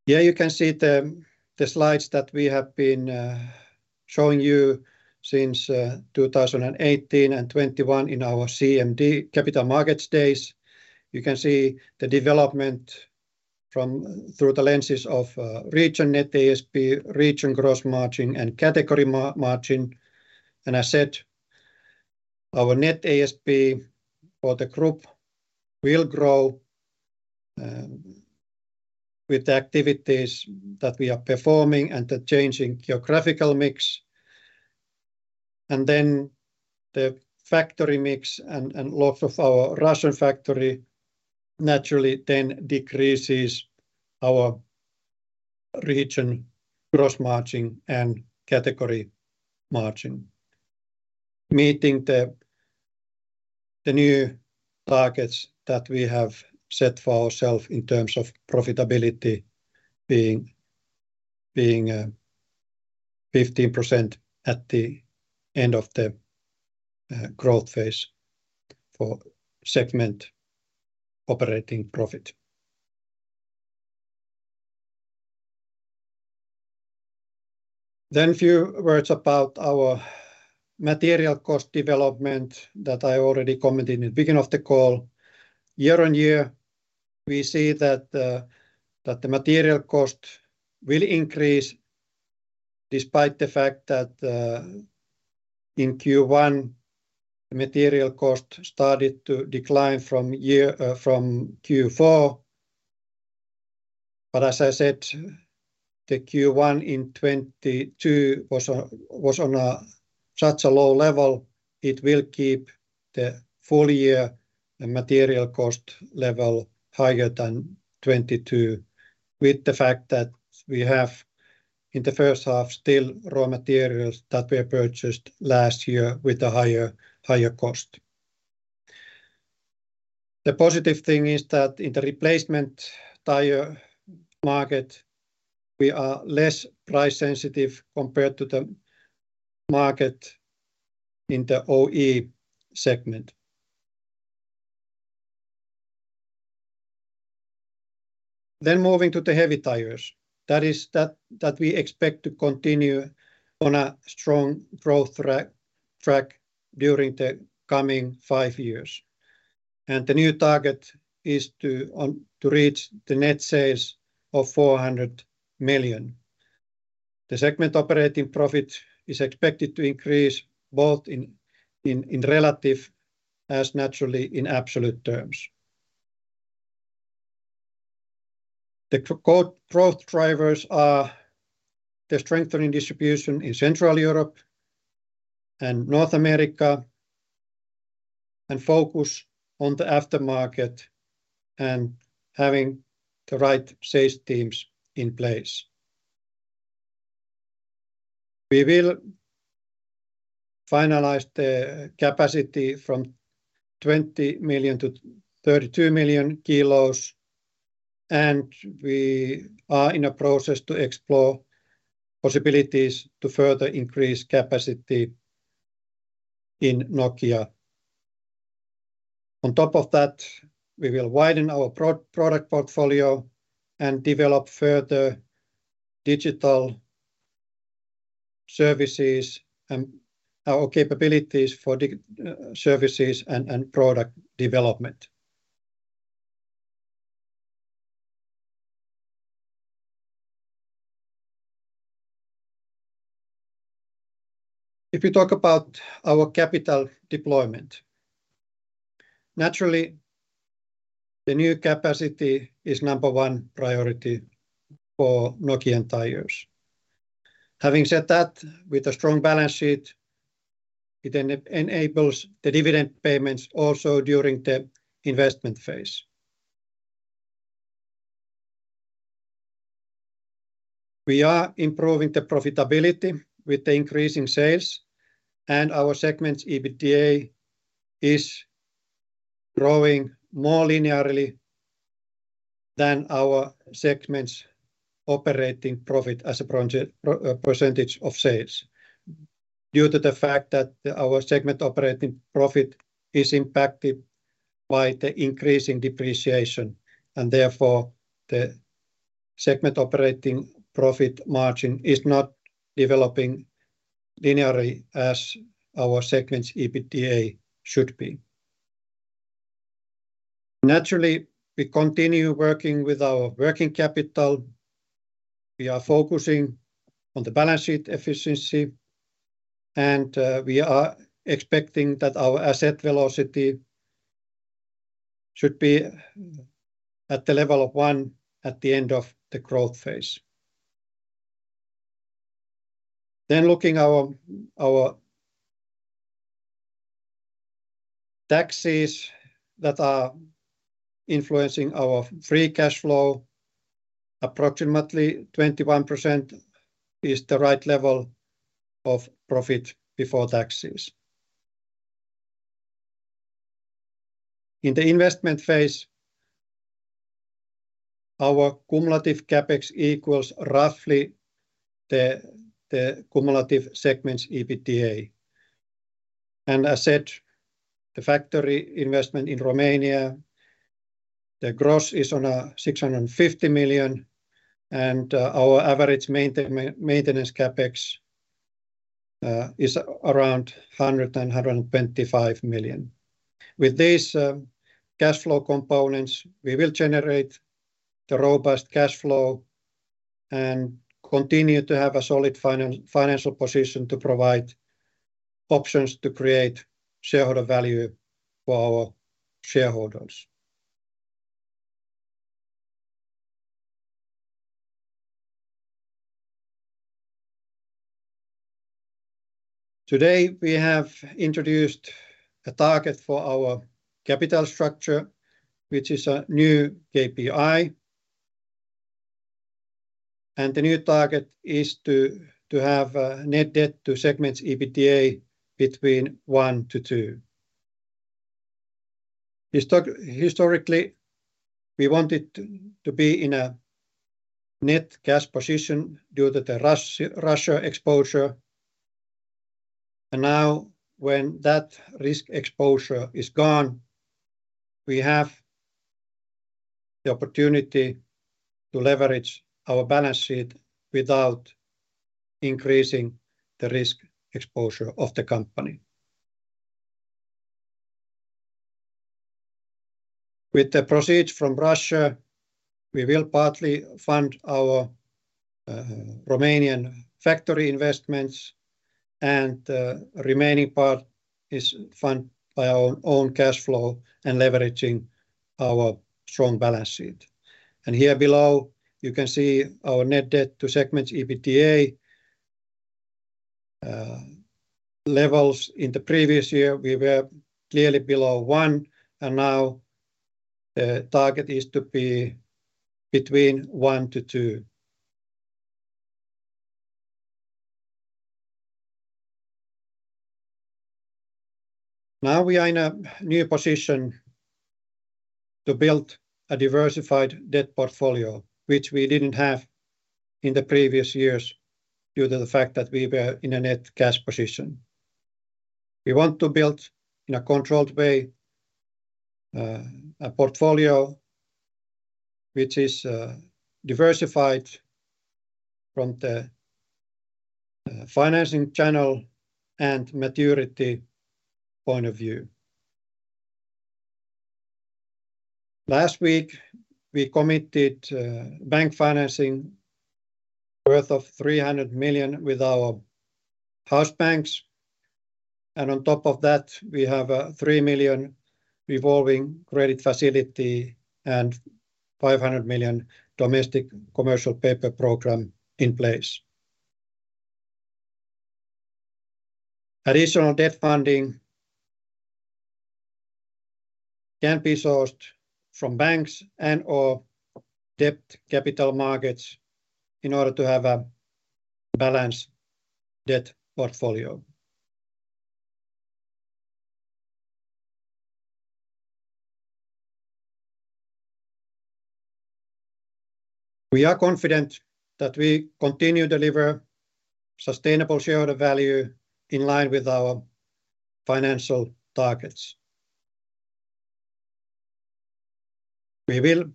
Here you can see the slides that we have been showing you since 2018 and 2021 in our CMD Capital Markets Days. You can see the development from through the lenses of region net ASP, region gross margin, and category margin. I said our net ASP for the group will grow with the activities that we are performing and the changing geographical mix. The factory mix and loss of our Russian factory naturally then decreases our region gross margin and category margin. Meeting the new targets that we have set for ourselves in terms of profitability being 15% at the end of the growth phase for segment operating profit. A few words about our material cost development that I already commented in the beginning of the call. Year on year, we see that the material cost will increase. Despite the fact that in Q1, material cost started to decline from year from Q4. As I said, the Q1 in 2022 was on such a low level it will keep the full year material cost level higher than 2022 with the fact that we have, in the first half, still raw materials that were purchased last year with a higher cost. The positive thing is that in the replacement tire market, we are less price-sensitive compared to the market in the OE segment. Moving to the heavy tires, that is that we expect to continue on a strong growth track during the coming five years. The new target is to reach the net sales of 400 million. The segment operating profit is expected to increase both in relative as naturally in absolute terms. The core growth drivers are the strengthening distribution in Central Europe and North America, and focus on the aftermarket, and having the right sales teams in place. We will finalize the capacity from 20 million to 32 million kilos, and we are in a process to explore possibilities to further increase capacity in Nokia. On top of that, we will widen our product portfolio and develop further digital services and our capabilities for services and product development. If you talk about our capital deployment, naturally, the new capacity is number 1 priority for Nokian Tyres. Having said that, with a strong balance sheet, it enables the dividend payments also during the investment phase. We are improving the profitability with the increase in sales, and our segment's EBITDA is growing more linearly than our segment's operating profit as a % of sales due to the fact that our segment operating profit is impacted by the increase in depreciation. Therefore, the segment operating profit margin is not developing linearly as our segment's EBITDA should be. Naturally, we continue working with our working capital. We are focusing on the balance sheet efficiency, and we are expecting that our asset velocity should be at the level of 1 at the end of the growth phase. Looking our taxes that are influencing our free cash flow, approximately 21% is the right level of profit before taxes. In the investment phase, our cumulative CapEx equals roughly the cumulative segment's EBITDA. As said, the factory investment in Romania, the gross is on a 650 million, and our average maintenance CapEx is around 125 million. With these cash flow components, we will generate the robust cash flow and continue to have a solid financial position to provide options to create shareholder value for our shareholders. Today, we have introduced a target for our capital structure, which is a new KPI. The new target is to have net debt to segments EBITDA between 1-2. Historically, we wanted to be in a net cash position due to the Russia exposure. Now when that risk exposure is gone, we have the opportunity to leverage our balance sheet without increasing the risk exposure of the company. With the proceeds from Russia, we will partly fund our Romanian factory investments and the remaining part is fund by our own cash flow and leveraging our strong balance sheet. Here below, you can see our net debt to segments EBITDA levels. In the previous year, we were clearly below 1, and now the target is to be between 1-2. Now we are in a new position to build a diversified debt portfolio, which we didn't have in the previous years due to the fact that we were in a net cash position. We want to build in a controlled way, a portfolio which is diversified from the financing channel and maturity point of view. Last week, we committed bank financing worth of 300 million with our house banks. On top of that, we have a 3 million revolving credit facility and 500 million domestic commercial paper program in place. Additional debt funding can be sourced from banks and or debt capital markets in order to have a balanced debt portfolio. We are confident that we continue to deliver sustainable shareholder value in line with our financial targets. We will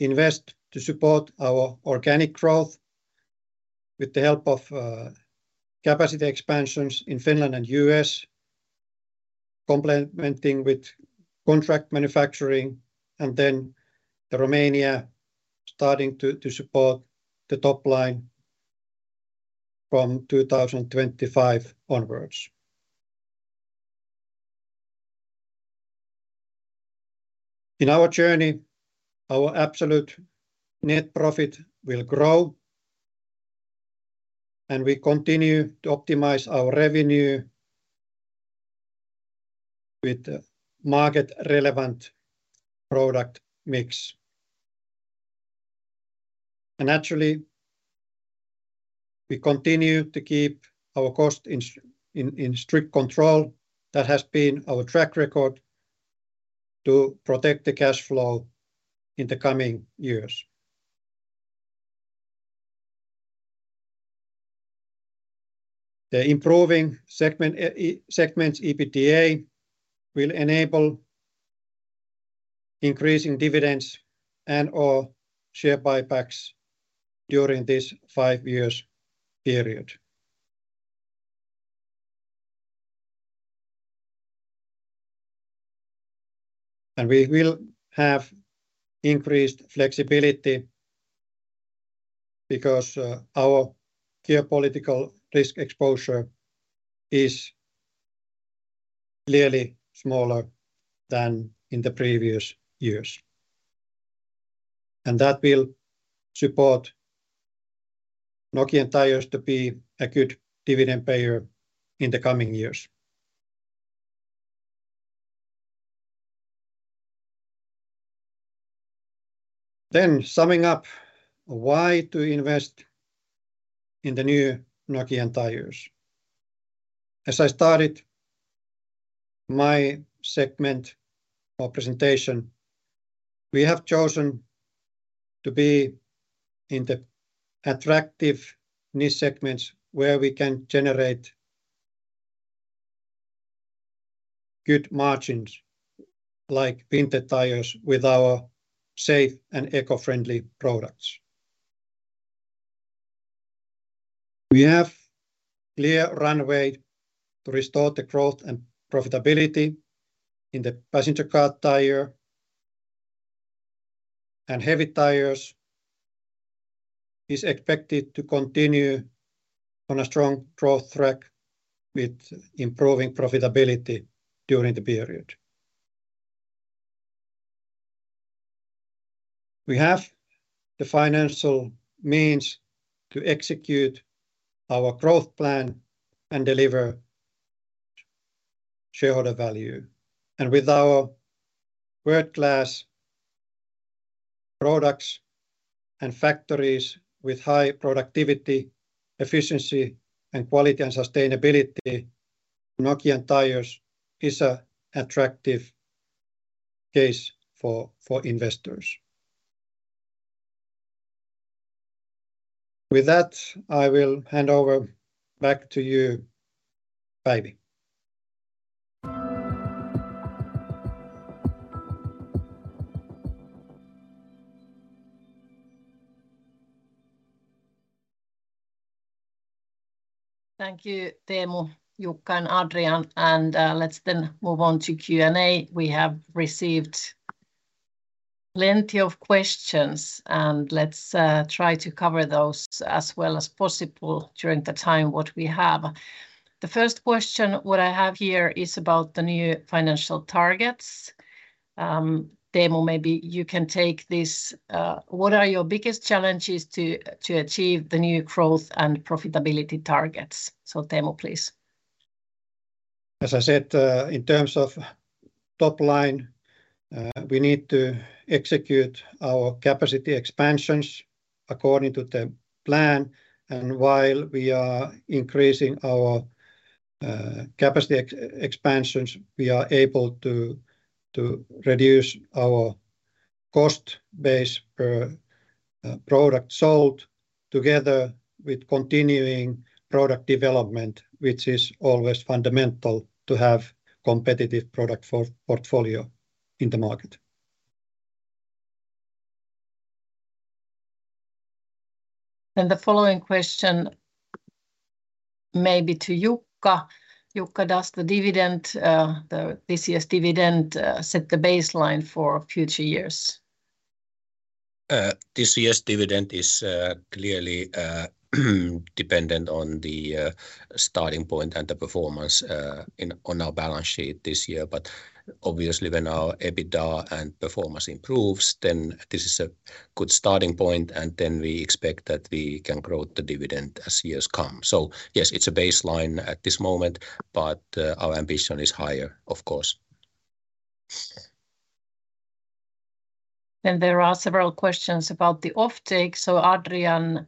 invest to support our organic growth with the help of capacity expansions in Finland and U.S., complementing with contract manufacturing. Romania starting to support the top line from 2025 onwards. In our journey, our absolute net profit will grow. We continue to optimize our revenue with the market relevant product mix. Actually, we continue to keep our cost in strict control. That has been our track record to protect the cash flow in the coming years. The improving segments EBITDA will enable increasing dividends and or share buybacks during this 5 years period. We will have increased flexibility because our geopolitical risk exposure is clearly smaller than in the previous years. That will support Nokian Tyres to be a good dividend payer in the coming years. Summing up why to invest in the new Nokian Tyres. As I started my segment or presentation, we have chosen to be in the attractive niche segments where we can generate good margins like winter tires with our safe and eco-friendly products. We have clear runway to restore the growth and profitability in the passenger car tire. Heavy tires is expected to continue on a strong growth track with improving profitability during the period. We have the financial means to execute our growth plan and deliver shareholder value. With our world-class products and factories with high productivity, efficiency, and quality and sustainability, Nokian Tyres is a attractive case for investors. With that, I will hand over back to you, Päivi. Thank you, Teemu, Jukka, and Adrian. Let's then move on to Q&A. We have received plenty of questions. Let's try to cover those as well as possible during the time what we have. The first question what I have here is about the new financial targets. Teemu, maybe you can take this. What are your biggest challenges to achieve the new growth and profitability targets? Teemu, please. As I said, in terms of top line, we need to execute our capacity expansions according to the plan. While we are increasing our capacity expansions, we are able to reduce our cost base per product sold together with continuing product development, which is always fundamental to have competitive product for portfolio in the market. The following question maybe to Jukka. Jukka, does the dividend, this year's dividend, set the baseline for future years? This year's dividend is clearly dependent on the starting point and the performance on our balance sheet this year. Obviously when our EBITDA and performance improves, then this is a good starting point, and then we expect that we can grow the dividend as years come. Yes, it's a baseline at this moment, but our ambition is higher of course. There are several questions about the offtake. Adrian,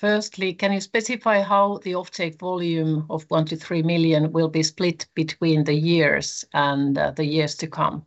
firstly, can you specify how the offtake volume of 1 million-3 million will be split between the years and the years to come?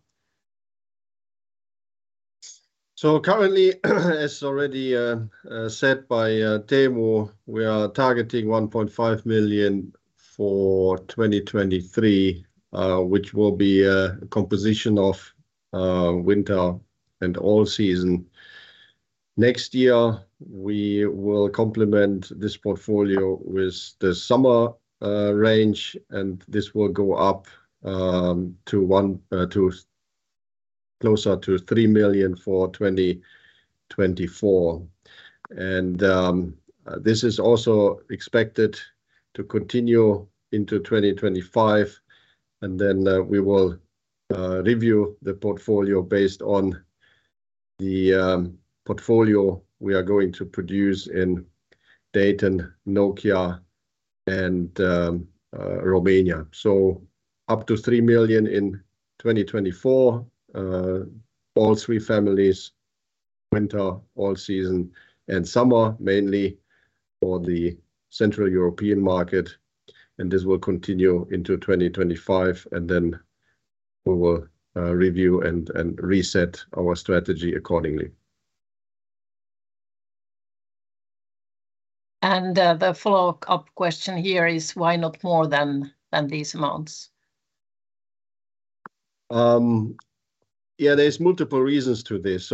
Yeah, there's multiple reasons to this.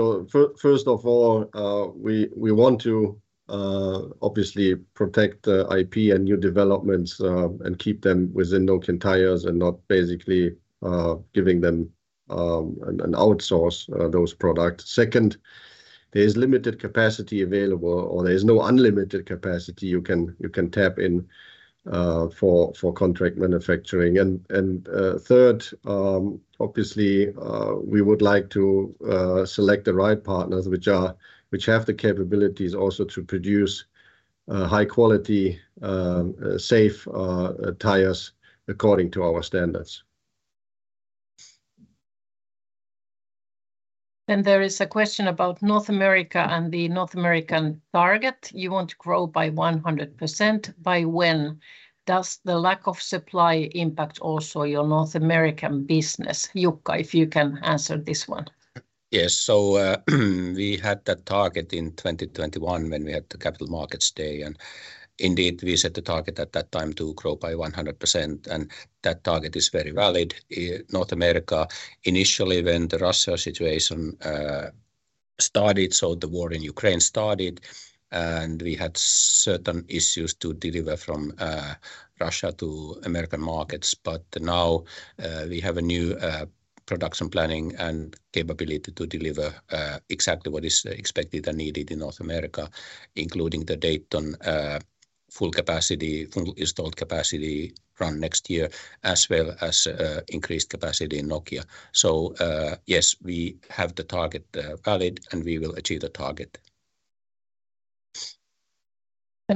First of all, we want to obviously protect IP and new developments and keep them within Nokian Tyres and not basically giving them and outsource those products. Second, there's limited capacity available, or there's no unlimited capacity you can tap in for contract manufacturing. Third, obviously, we would like to select the right partners which have the capabilities also to produce high quality safe tires according to our standards. There is a question about North America and the North American target. You want to grow by 100%. By when does the lack of supply impact also your North American business? Jukka, if you can answer this one. Yes. We had that target in 2021 when we had the capital markets day, and indeed we set the target at that time to grow by 100%, and that target is very valid. North America, initially when the Russia situation started, so the war in Ukraine started, and we had certain issues to deliver from Russia to American markets. Now, we have a new production planning and capability to deliver exactly what is expected and needed in North America, including the Dayton full capacity, full installed capacity run next year, as well as increased capacity in Nokia. Yes, we have the target valid, and we will achieve the target.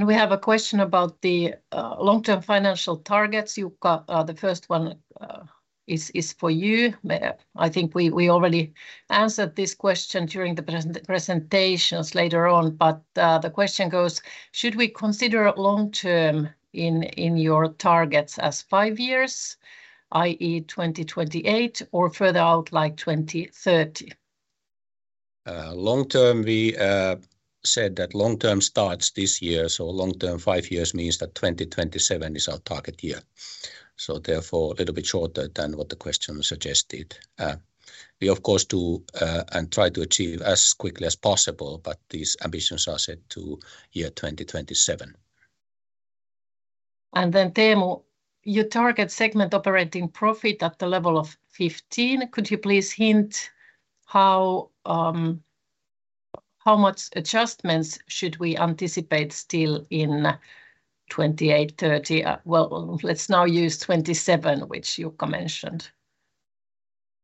We have a question about the long-term financial targets. Jukka, the first one is for you. I think we already answered this question during the presentations later on, but the question goes, "Should we consider long-term in your targets as 5 years, i.e., 2028 or further out like 2030? Long-term, we said that long-term starts this year, so long-term 5 years means that 2027 is our target year. Therefore a little bit shorter than what the question suggested. We of course do and try to achieve as quickly as possible, but these ambitions are set to year 2027. Teemu, you target segment operating profit at the level of 15. Could you please hint how much adjustments should we anticipate still in 28, 30? Well, let's now use 27, which Jukka mentioned.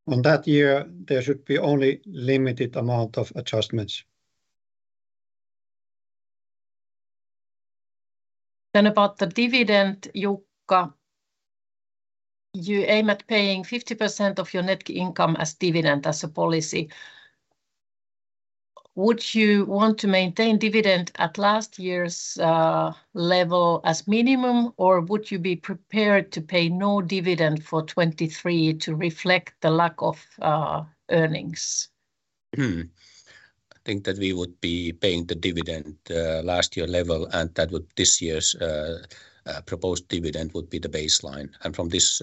On that year there should be only limited amount of adjustments. About the dividend, Jukka. You aim at paying 50% of your net income as dividend as a policy. Would you want to maintain dividend at last year's level as minimum, or would you be prepared to pay no dividend for 2023 to reflect the lack of earnings? Hmm. I think that we would be paying the dividend last year level. This year's proposed dividend would be the baseline. From this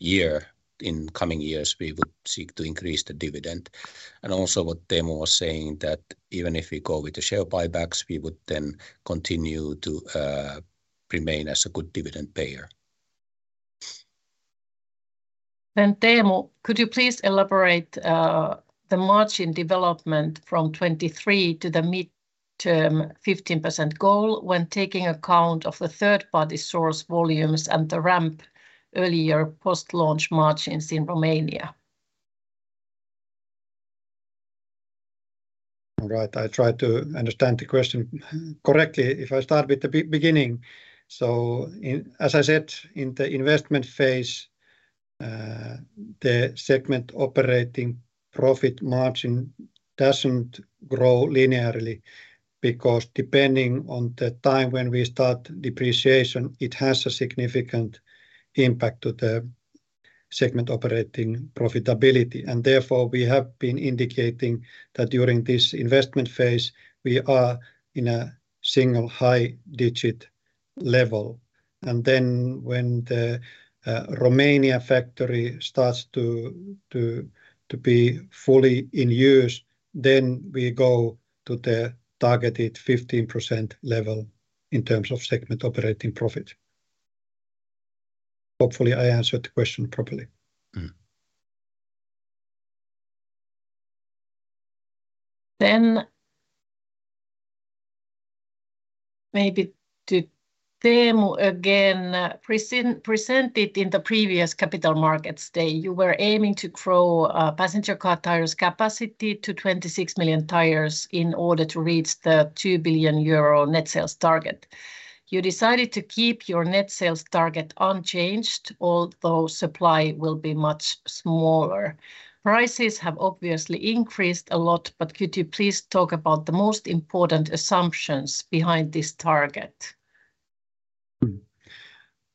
year, in coming years we would seek to increase the dividend. Also, what Teemu was saying, that even if we go with the share buybacks, we would then continue to remain as a good dividend payer. Teemu, could you please elaborate the margin development from 2023 to the midterm 15% goal when taking account of the third party source volumes and the ramp earlier post-launch margins in Romania? All right, I try to understand the question correctly. If I start with the beginning, as I said, in the investment phase, the segment operating profit margin doesn't grow linearly, because depending on the time when we start depreciation, it has a significant impact to the segment operating profitability. Therefore, we have been indicating that during this investment phase we are in a single high digit level. Then when the Romania factory starts to be fully in use, then we go to the targeted 15% level in terms of segment operating profit. Hopefully I answered the question properly. Mm. Maybe to Teemu again. presented in the previous Capital Markets Day, you were aiming to grow passenger car tires capacity to 26 million tires in order to reach the 2 billion euro net sales target. You decided to keep your net sales target unchanged, although supply will be much smaller. Prices have obviously increased a lot, could you please talk about the most important assumptions behind this target?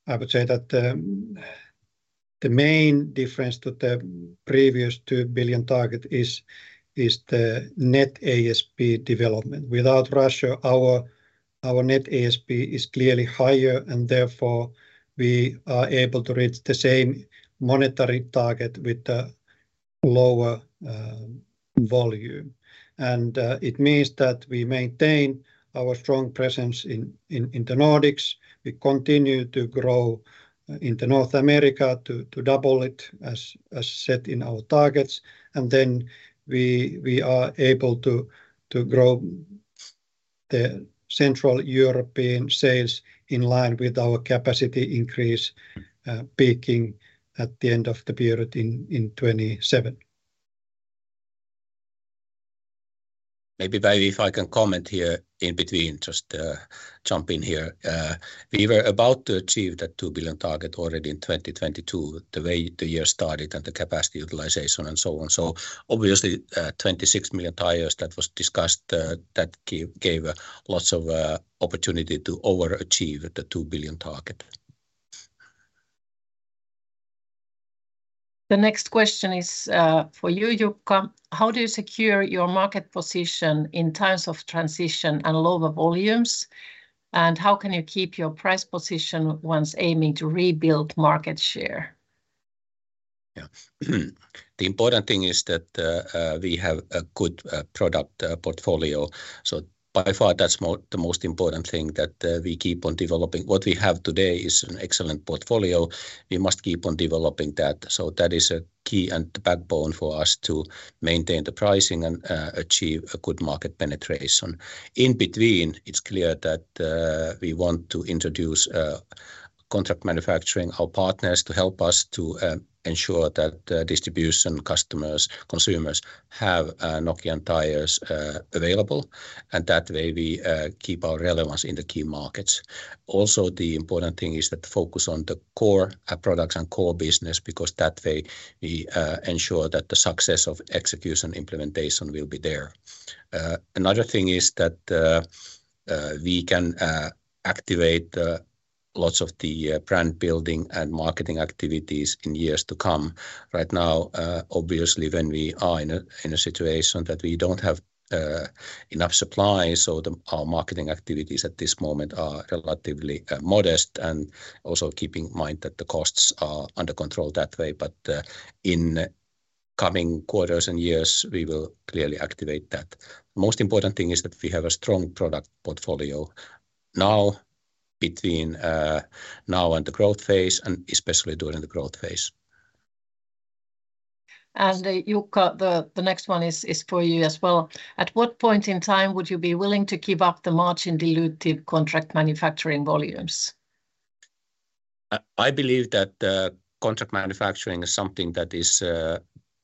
I would say that the main difference to the previous 2 billion target is the net ASP development. Without Russia, our net ASP is clearly higher, and therefore we are able to reach the same monetary target with the lower volume. It means that we maintain our strong presence in the Nordics. We continue to grow into North America to double it as set in our targets. We are able to grow the Central European sales in line with our capacity increase, peaking at the end of the period in 2027. Maybe, Päivi, if I can comment here in between, just jump in here. We were about to achieve that 2 billion target already in 2022, the way the year started and the capacity utilization and so on. Obviously, 26 million tires that was discussed, that gave lots of opportunity to overachieve the 2 billion target. The next question is for you, Jukka. How do you secure your market position in times of transition and lower volumes? How can you keep your price position once aiming to rebuild market share? Yeah. The important thing is that we have a good product portfolio. By far that's the most important thing that we keep on developing. What we have today is an excellent portfolio. We must keep on developing that. That is a key and the backbone for us to maintain the pricing and achieve a good market penetration. In between, it's clear that we want to introduce contract manufacturing, our partners to help us to ensure that distribution customers, consumers have Nokian Tyres available. That way we keep our relevance in the key markets. The important thing is that focus on the core products and core business, because that way we ensure that the success of execution implementation will be there. Another thing is that we can activate lots of the brand building and marketing activities in years to come. Right now, obviously when we are in a situation that we don't have enough supply, our marketing activities at this moment are relatively modest and also keeping in mind that the costs are under control that way. In coming quarters and years, we will clearly activate that. Most important thing is that we have a strong product portfolio now between now and the growth phase, and especially during the growth phase. Jukka, the next one is for you as well. At what point in time would you be willing to give up the margin diluted contract manufacturing volumes? I believe that contract manufacturing is something that is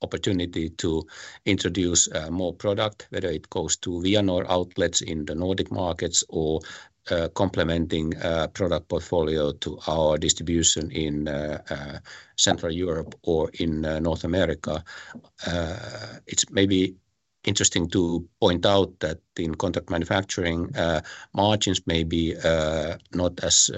opportunity to introduce more product, whether it goes to Vianor outlets in the Nordic markets or complementing product portfolio to our distribution in Central Europe or in North America. It's maybe interesting to point out that in contract manufacturing, margins may be not as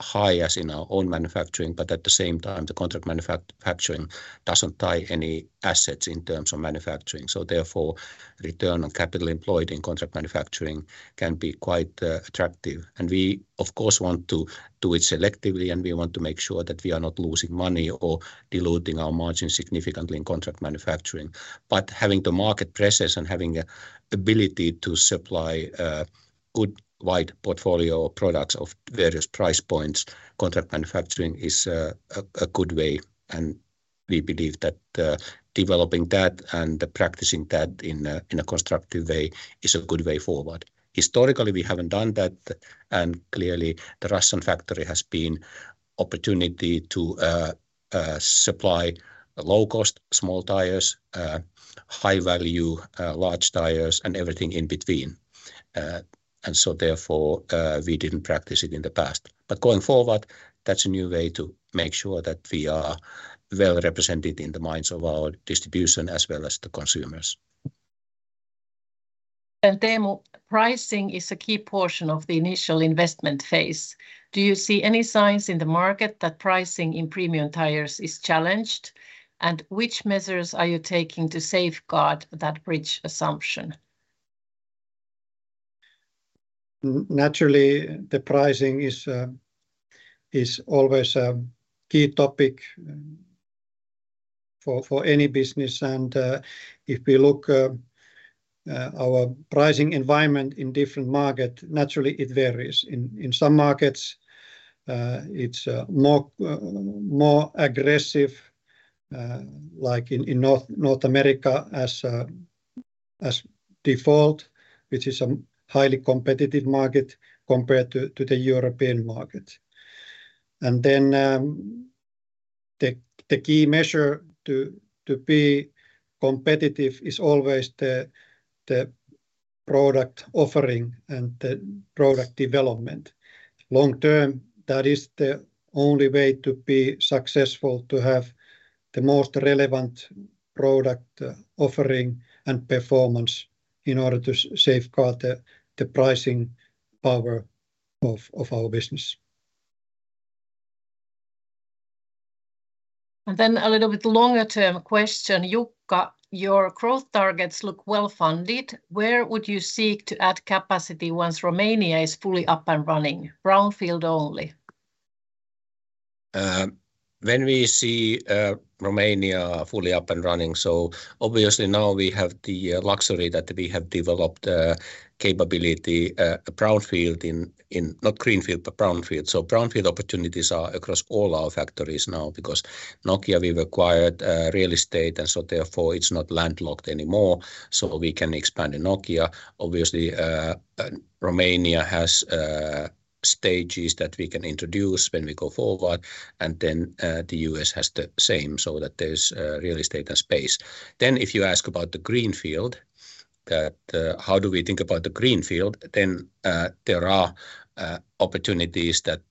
high as in our own manufacturing, but at the same time, the contract manufacturing doesn't tie any assets in terms of manufacturing. Therefore, return on capital employed in contract manufacturing can be quite attractive. We of course want to do it selectively, and we want to make sure that we are not losing money or diluting our margins significantly in contract manufacturing. Having the market presence and having ability to supply a good wide portfolio of products of various price points, contract manufacturing is a good way. We believe that developing that and practicing that in a constructive way is a good way forward. Historically, we haven't done that. Clearly the Russian factory has been opportunity to supply low-cost small tires, high-value large tires, and everything in between. Therefore, we didn't practice it in the past. Going forward, that's a new way to make sure that we are well-represented in the minds of our distribution as well as the consumers. Teemu, pricing is a key portion of the initial investment phase. Do you see any signs in the market that pricing in premium tires is challenged? Which measures are you taking to safeguard that bridge assumption? Naturally, the pricing is always a key topic for any business. If we look our pricing environment in different market, naturally it varies. In some markets, it's more aggressive, like in North America as default, which is a highly competitive market compared to the European market. The key measure to be competitive is always the product offering and the product development. Long term, that is the only way to be successful, to have the most relevant product offering and performance in order to safeguard the pricing power of our business. A little bit longer-term question. Jukka, your growth targets look well-funded. Where would you seek to add capacity once Romania is fully up and running? Brownfield only. When we see Romania fully up and running, obviously now we have the luxury that we have developed capability brownfield. Not greenfield, but brownfield. Brownfield opportunities are across all our factories now because Nokia we've acquired real estate. Therefore it's not landlocked anymore, so we can expand in Nokia. Obviously, Romania has stages that we can introduce when we go forward. The U.S. has the same, so that there's real estate and space. If you ask about the greenfield, that how do we think about the greenfield, there are opportunities that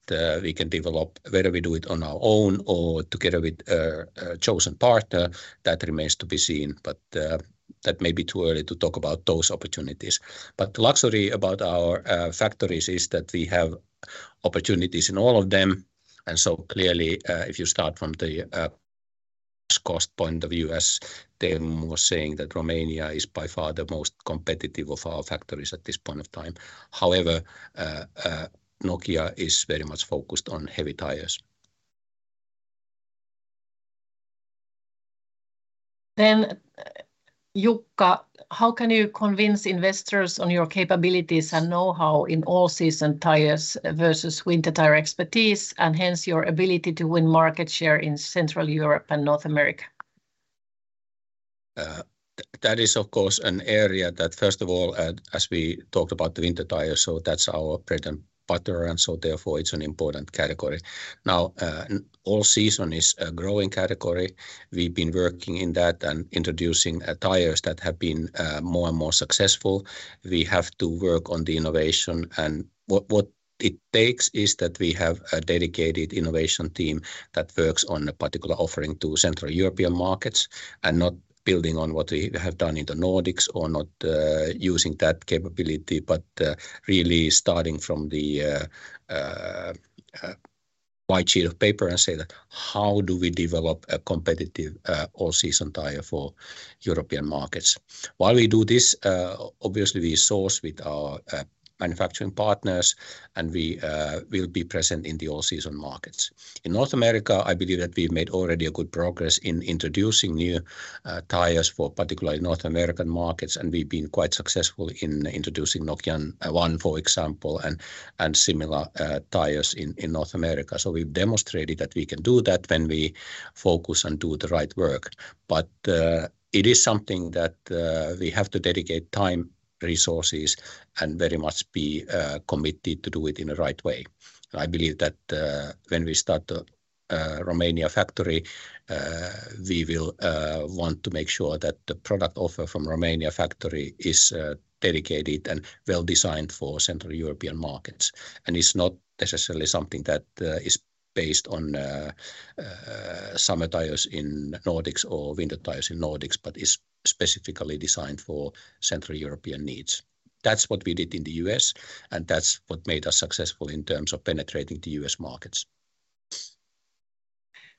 we can develop, whether we do it on our own or together with a chosen partner. That remains to be seen. That may be too early to talk about those opportunities. The luxury about our factories is that we have opportunities in all of them. Clearly, if you start from the cost point of view, as Teemu was saying, that Romania is by far the most competitive of our factories at this point of time. Nokian Tyres is very much focused on heavy tires. Jukka, how can you convince investors on your capabilities and know-how in all season tires versus winter tire expertise, and hence your ability to win market share in Central Europe and North America? That is of course an area that first of all, as we talked about the winter tires, that's our bread and butter. Therefore, it's an important category. Now, all season is a growing category. We've been working in that and introducing tires that have been more and more successful. We have to work on the innovation. What it takes is that we have a dedicated innovation team that works on a particular offering to Central European markets and not building on what we have done in the Nordics or not, using that capability, but really starting from the white sheet of paper and say that, "How do we develop a competitive, all-season tire for European markets. While we do this, obviously we source with our manufacturing partners, and we will be present in the all season markets. In North America, I believe that we've made already a good progress in introducing new tires for particularly North American markets, and we've been quite successful in introducing Nokian Hakkapeliitta, for example, and similar tires in North America. We've demonstrated that we can do that when we focus and do the right work. It is something that we have to dedicate time, resources, and very much be committed to do it in the right way. I believe that when we start the Romania factory, we will want to make sure that the product offer from Romania factory is dedicated and well-designed for Central European markets. It's not necessarily something that is based on summer tires in Nordics or winter tires in Nordics, but is specifically designed for Central European needs. That's what we did in the U.S., and that's what made us successful in terms of penetrating the U.S., markets.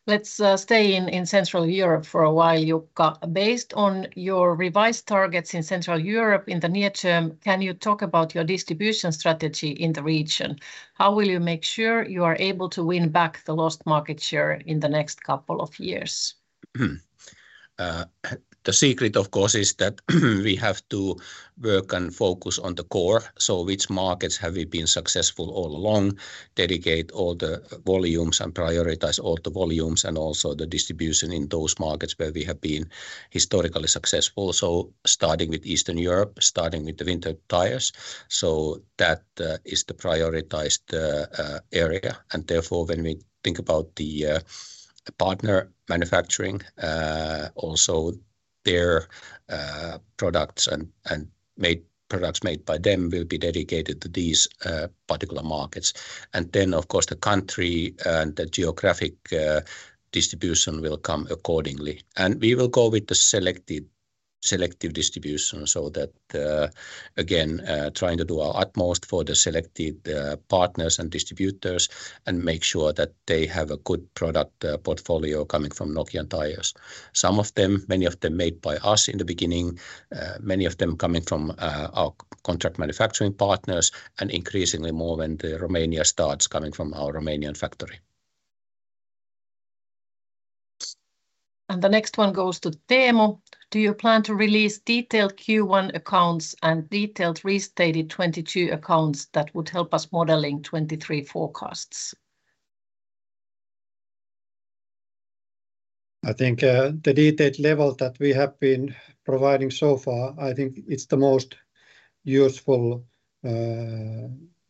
Let's stay in Central Europe for a while, Jukka. Based on your revised targets in Central Europe in the near term, can you talk about your distribution strategy in the region? How will you make sure you are able to win back the lost market share in the next couple of years? The secret, of course, is that we have to work and focus on the core. Which markets have we been successful all along, dedicate all the volumes and prioritize all the volumes, and also the distribution in those markets where we have been historically successful. Starting with Eastern Europe, starting with the winter tires. That is the prioritized area. Therefore, when we think about the partner manufacturing, also their products and products made by them will be dedicated to these particular markets. Then of course the country and the geographic distribution will come accordingly. We will go with the selected, selective distribution so that again, trying to do our utmost for the selected partners and distributors and make sure that they have a good product portfolio coming from Nokian Tyres. Some of them, many of them made by us in the beginning, many of them coming from, our contract manufacturing partners, and increasingly more when the Romania starts coming from our Romanian factory. The next one goes to Teemu. Do you plan to release detailed Q1 accounts and detailed restated 2022 accounts that would help us modeling 2023 forecasts? I think, the detailed level that we have been providing so far, I think it's the most useful,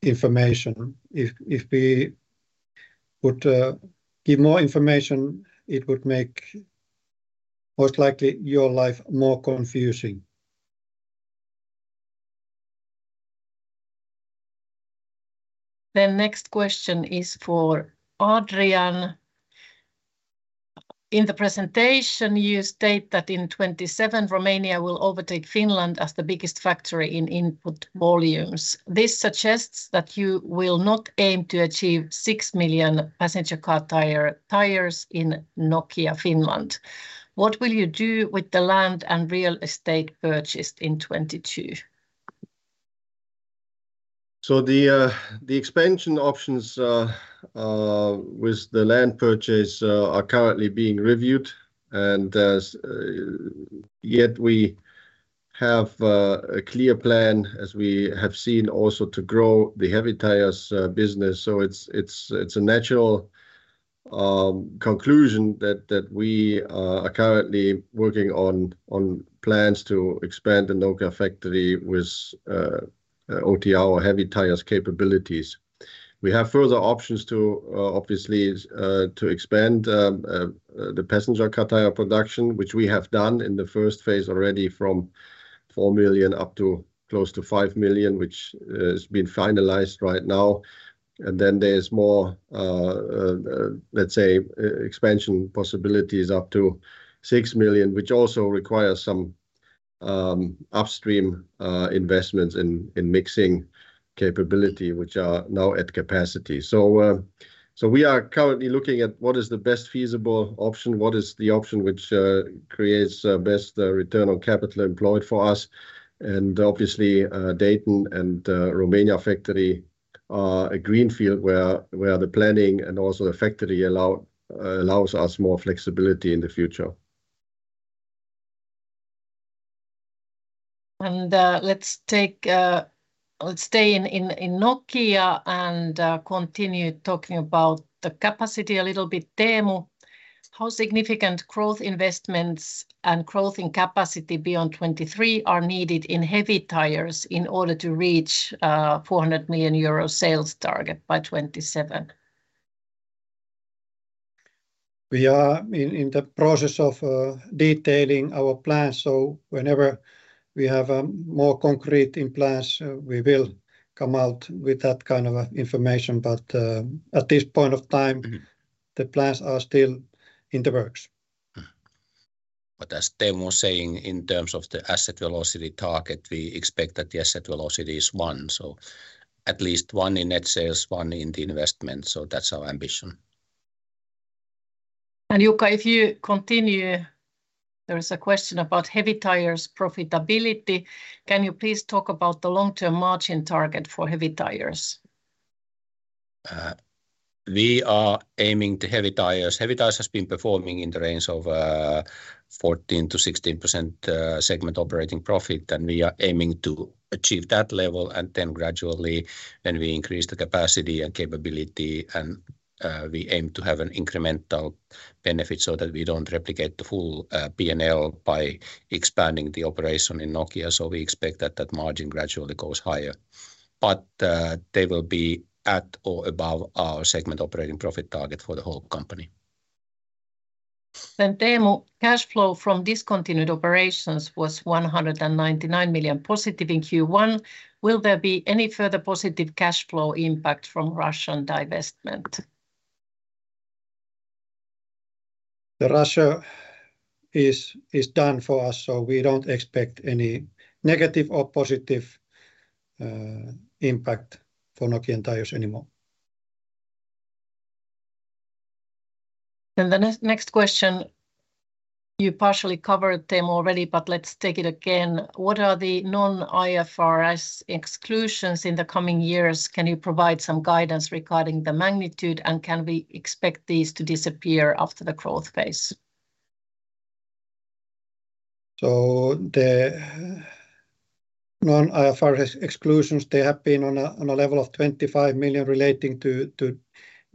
information. If we would, give more information, it would make most likely your life more confusing. The next question is for Adrian. In the presentation, you state that in 2027, Romania will overtake Finland as the biggest factory in input volumes. This suggests that you will not aim to achieve 6 million passenger car tires in Nokia, Finland. What will you do with the land and real estate purchased in 2022? The expansion options with the land purchase are currently being reviewed. As yet we have a clear plan as we have seen also to grow the heavy tires business. It's a natural conclusion that we are currently working on plans to expand the Nokian factory with OTR or heavy tires capabilities. We have further options to obviously to expand the passenger car tire production, which we have done in the first phase already from 4 million up to close to 5 million, which has been finalized right now. There's more let's say expansion possibilities up to 6 million, which also requires some upstream investments in mixing capability, which are now at capacity. We are currently looking at what is the best feasible option, what is the option which creates best return on capital employed for us. Obviously, Dayton and Romania factory are a greenfield where the planning and also the factory allows us more flexibility in the future. Let's stay in Nokian Tyres and continue talking about the capacity a little bit. Teemu, how significant growth investments and growth in capacity beyond 2023 are needed in heavy tires in order to reach 400 million euro sales target by 2027? We are in the process of detailing our plans. Whenever we have more concrete in plans, we will come out with that kind of information. At this point of time, the plans are still in the works. As Teemu was saying, in terms of the asset velocity target, we expect that the asset velocity is 1. At least 1 in net sales, 1 in the investment. That's our ambition. Jukka, if you continue, there is a question about heavy tires profitability. Can you please talk about the long-term margin target for heavy tires? We are aiming the heavy tires. Heavy tires has been performing in the range of 14%-16% segment operating profit, and we are aiming to achieve that level. Gradually, when we increase the capacity and capability, we aim to have an incremental benefit so that we don't replicate the full P&L by expanding the operation in Nokian Tyres. We expect that that margin gradually goes higher. They will be at or above our segment operating profit target for the whole company. Teemu, cash flow from discontinued operations was 199 million positive in Q1. Will there be any further positive cash flow impact from Russian divestment? The Russia is done for us. We don't expect any negative or positive impact for Nokian Tyres anymore. The next question, you partially covered them already, but let's take it again. What are the non-IFRS exclusions in the coming years? Can you provide some guidance regarding the magnitude, and can we expect these to disappear after the growth phase? The non-IFRS exclusions, they have been on a level of 25 million relating to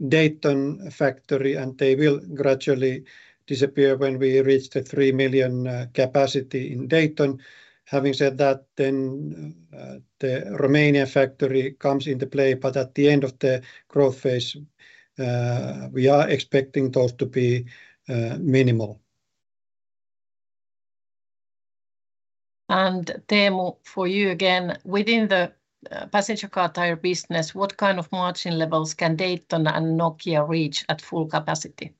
Dayton factory, and they will gradually disappear when we reach the 3 million capacity in Dayton. Having said that, the Romanian factory comes into play, at the end of the growth phase, we are expecting those to be minimal. Teemu, for you again, within the passenger car tire business, what kind of margin levels can Dayton and Nokia reach at full capacity?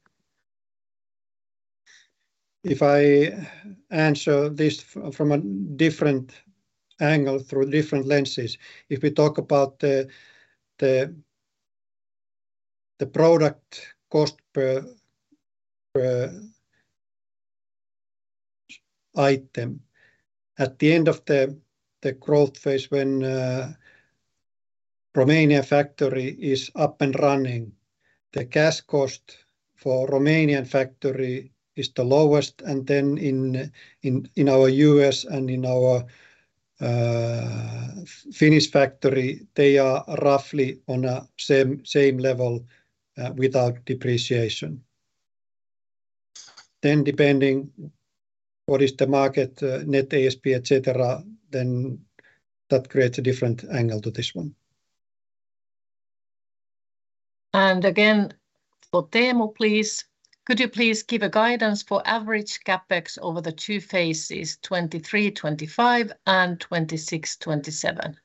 If I answer this from a different angle through different lenses, if we talk about the product cost per item. At the end of the growth phase when Romanian factory is up and running, the cash cost for Romanian factory is the lowest. In our U.S. and in our Finnish factory, they are roughly on a same level without depreciation. Depending what is the market net ASP, et cetera, then that creates a different angle to this one. Again, for Teemu, please. Could you please give a guidance for average CapEx over the two phases, 2023, 2025 and 2026, 2027?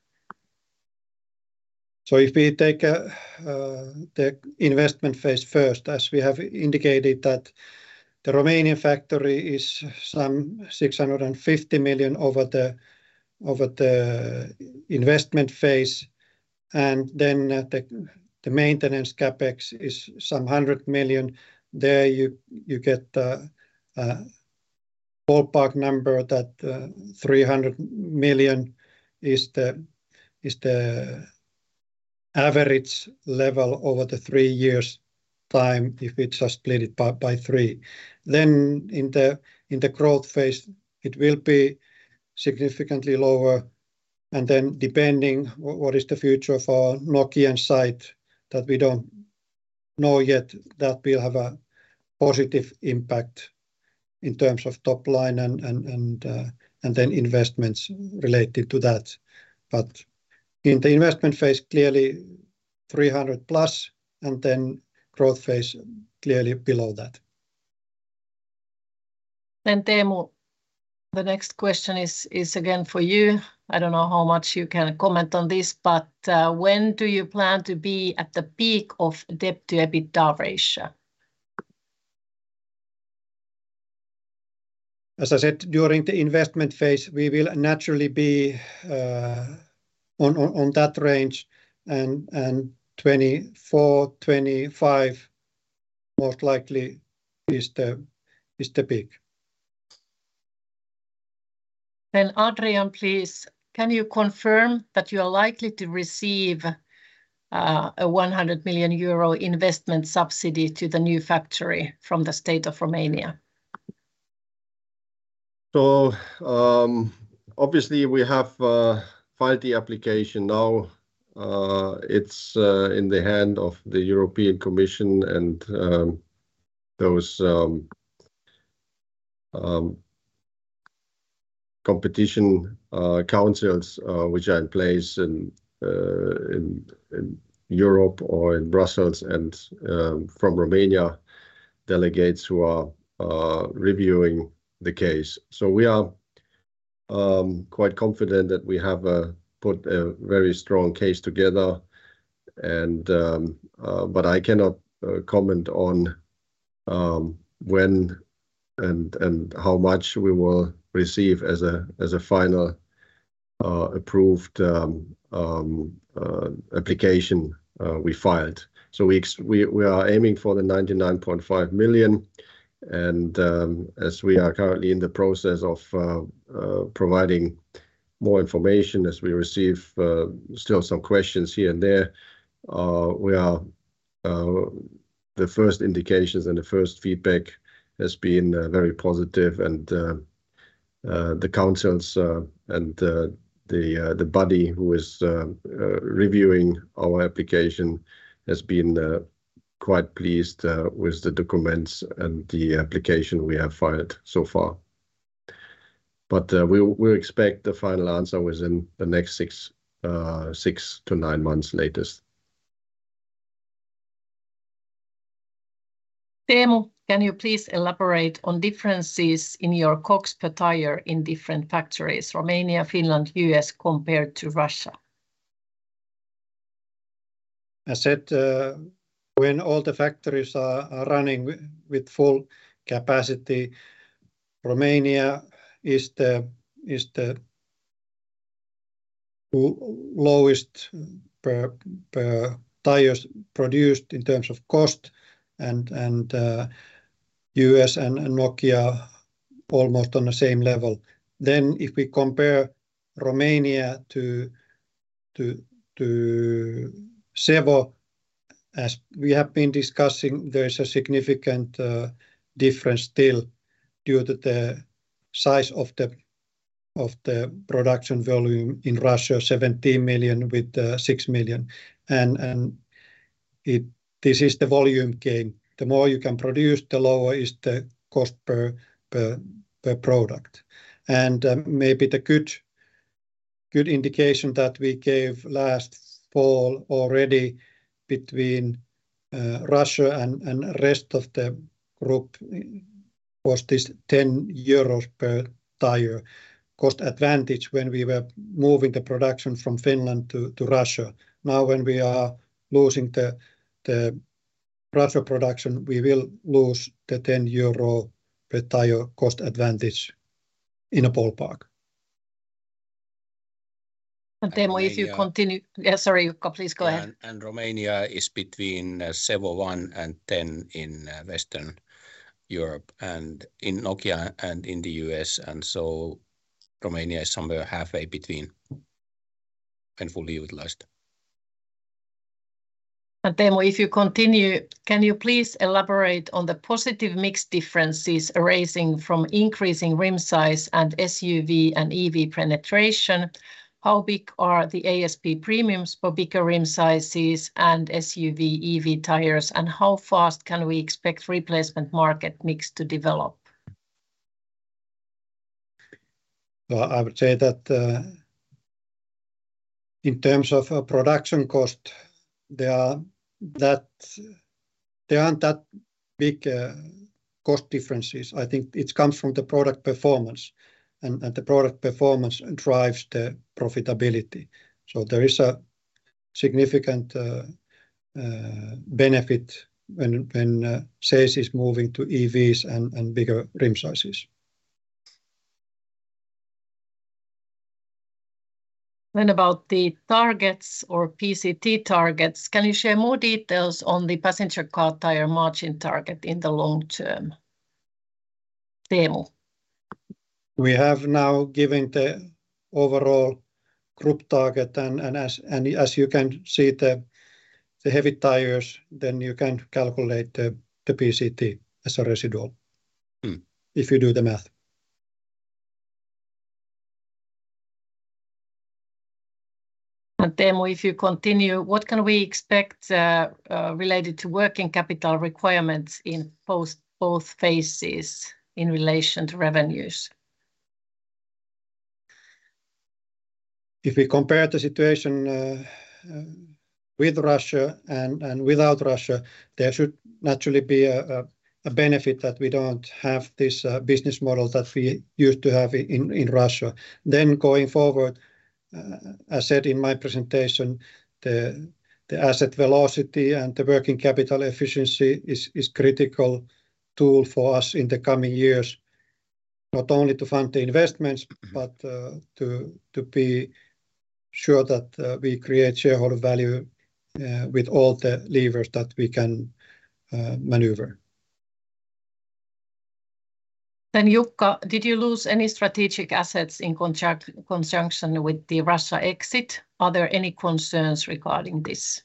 If we take the investment phase first, as we have indicated that the Romanian factory is some 650 million over the investment phase, and then the maintenance CapEx is some 100 million. There you get a ballpark number that 300 million is the average level over the 3 years' time if it's just split it by 3. In the growth phase, it will be significantly lower, and then depending what is the future for Nokian site that we don't know yet, that will have a positive impact in terms of top line and then investments related to that. In the investment phase, clearly 300 plus, and then growth phase clearly below that. Teemu, the next question is again for you. I don't know how much you can comment on this, but, when do you plan to be at the peak of debt-to-EBITDA ratio? As I said, during the investment phase, we will naturally be on that range and 2024, 2025 most likely is the peak. Adrian, please. Can you confirm that you are likely to receive a 100 million euro investment subsidy to the new factory from the state of Romania? Obviously we have filed the application now. It's in the hand of the European Commission and those competition councils which are in place in Europe or in Brussels and from Romania, delegates who are reviewing the case. We are quite confident that we have put a very strong case together, but I cannot comment on when and how much we will receive as a final approved application we filed. We are aiming for the 99.5 million and as we are currently in the process of providing more information as we receive still some questions here and there. We are, the first indications and the first feedback has been very positive and the councils and the body who is reviewing our application has been quite pleased with the documents and the application we have filed so far. We expect the final answer within the next 6-9 months latest. Teemu, can you please elaborate on differences in your costs per tire in different factories, Romania, Finland, U.S. compared to Russia? I said, when all the factories are running with full capacity, Romania is the lowest per tires produced in terms of cost and, U.S., and Nokian almost on the same level. If we compare Romania to Vsevolozhsk, as we have been discussing, there is a significant difference still due to the size of the production volume in Russia, 17 million with 6 million. This is the volume gain. The more you can produce, the lower is the cost per product. Maybe the good indication that we gave last fall already between Russia and rest of the group was this 10 euros per tire cost advantage when we were moving the production from Finland to Russia. Now when we are losing the Russia production, we will lose the 10 euro per tire cost advantage in a ballpark. Teemu, if you continue. Yeah, sorry, Jukka, please go ahead. Romania is between Vsevolozhsk 1 and 10 in Western Europe and in Nokian Tyres and in the U.S., and so Romania is somewhere halfway between and fully utilized. Teemu, if you continue, can you please elaborate on the positive mix differences arising from increasing rim size and SUV and EV penetration? How big are the ASP premiums for bigger rim sizes and SUV, EV tires, and how fast can we expect replacement market mix to develop? Well, I would say that, in terms of production cost, there aren't that big cost differences. I think it comes from the product performance, and the product performance drives the profitability. There is a significant benefit when sales is moving to EVs and bigger rim sizes. About the targets or PCT targets, can you share more details on the passenger car tire margin target in the long term? Teemu. We have now given the overall group target and as you can see the heavy tires, then you can calculate the PCT as a residual if you do the math. Teemu, if you continue, what can we expect related to working capital requirements in both phases in relation to revenues? If we compare the situation with Russia and without Russia, there should naturally be a benefit that we don't have this business model that we used to have in Russia. Going forward, as said in my presentation, the asset velocity and the working capital efficiency is critical tool for us in the coming years, not only to fund the investments, but to be sure that we create shareholder value with all the levers that we can maneuver. Jukka, did you lose any strategic assets in conjunction with the Russia exit? Are there any concerns regarding this?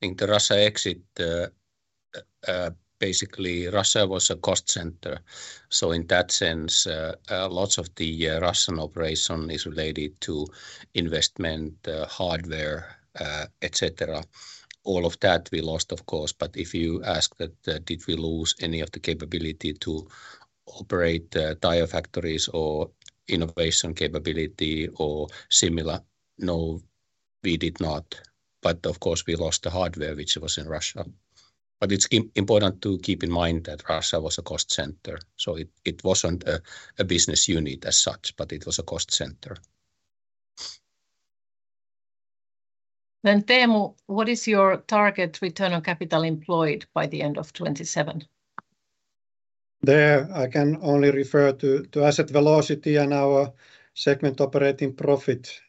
In the Russia exit, basically Russia was a cost center. In that sense, lots of the Russian operation is related to investment, hardware, et cetera. All of that we lost, of course. If you ask that, did we lose any of the capability to operate, tire factories or innovation capability or similar, no, we did not. Of course, we lost the hardware which was in Russia. It's important to keep in mind that Russia was a cost center. It wasn't a business unit as such, but it was a cost center. Teemu, what is your target return on capital employed by the end of 2027? There I can only refer to asset velocity and our segment operating profit.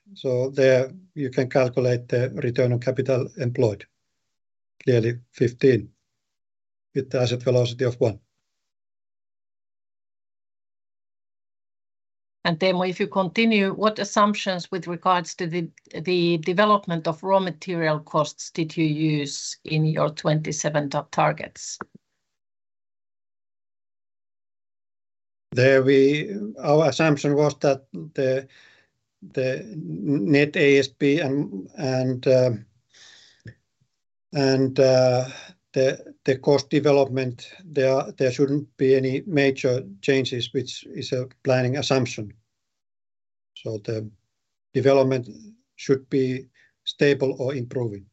There you can calculate the return on capital employed. Clearly 15 with the asset velocity of 1. Teemu, if you continue, what assumptions with regards to the development of raw material costs did you use in your 2027 targets? Our assumption was that the net ASP and the cost development, there shouldn't be any major changes, which is a planning assumption. The development should be stable or improving.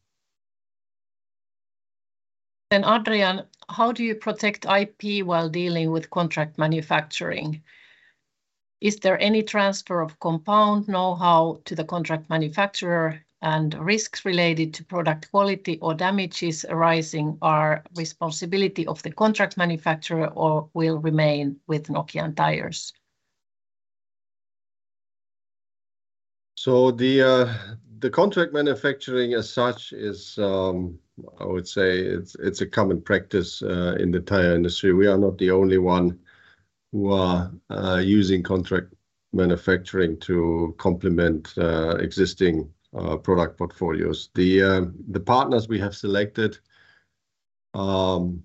Adrian, how do you protect IP while dealing with contract manufacturing? Is there any transfer of compound knowhow to the contract manufacturer and risks related to product quality or damages arising are responsibility of the contract manufacturer or will remain with Nokian Tyres? The contract manufacturing as such is, I would say it's a common practice in the tire industry. We are not the only one who are using contract manufacturing to complement existing product portfolios. The partners we have selected, very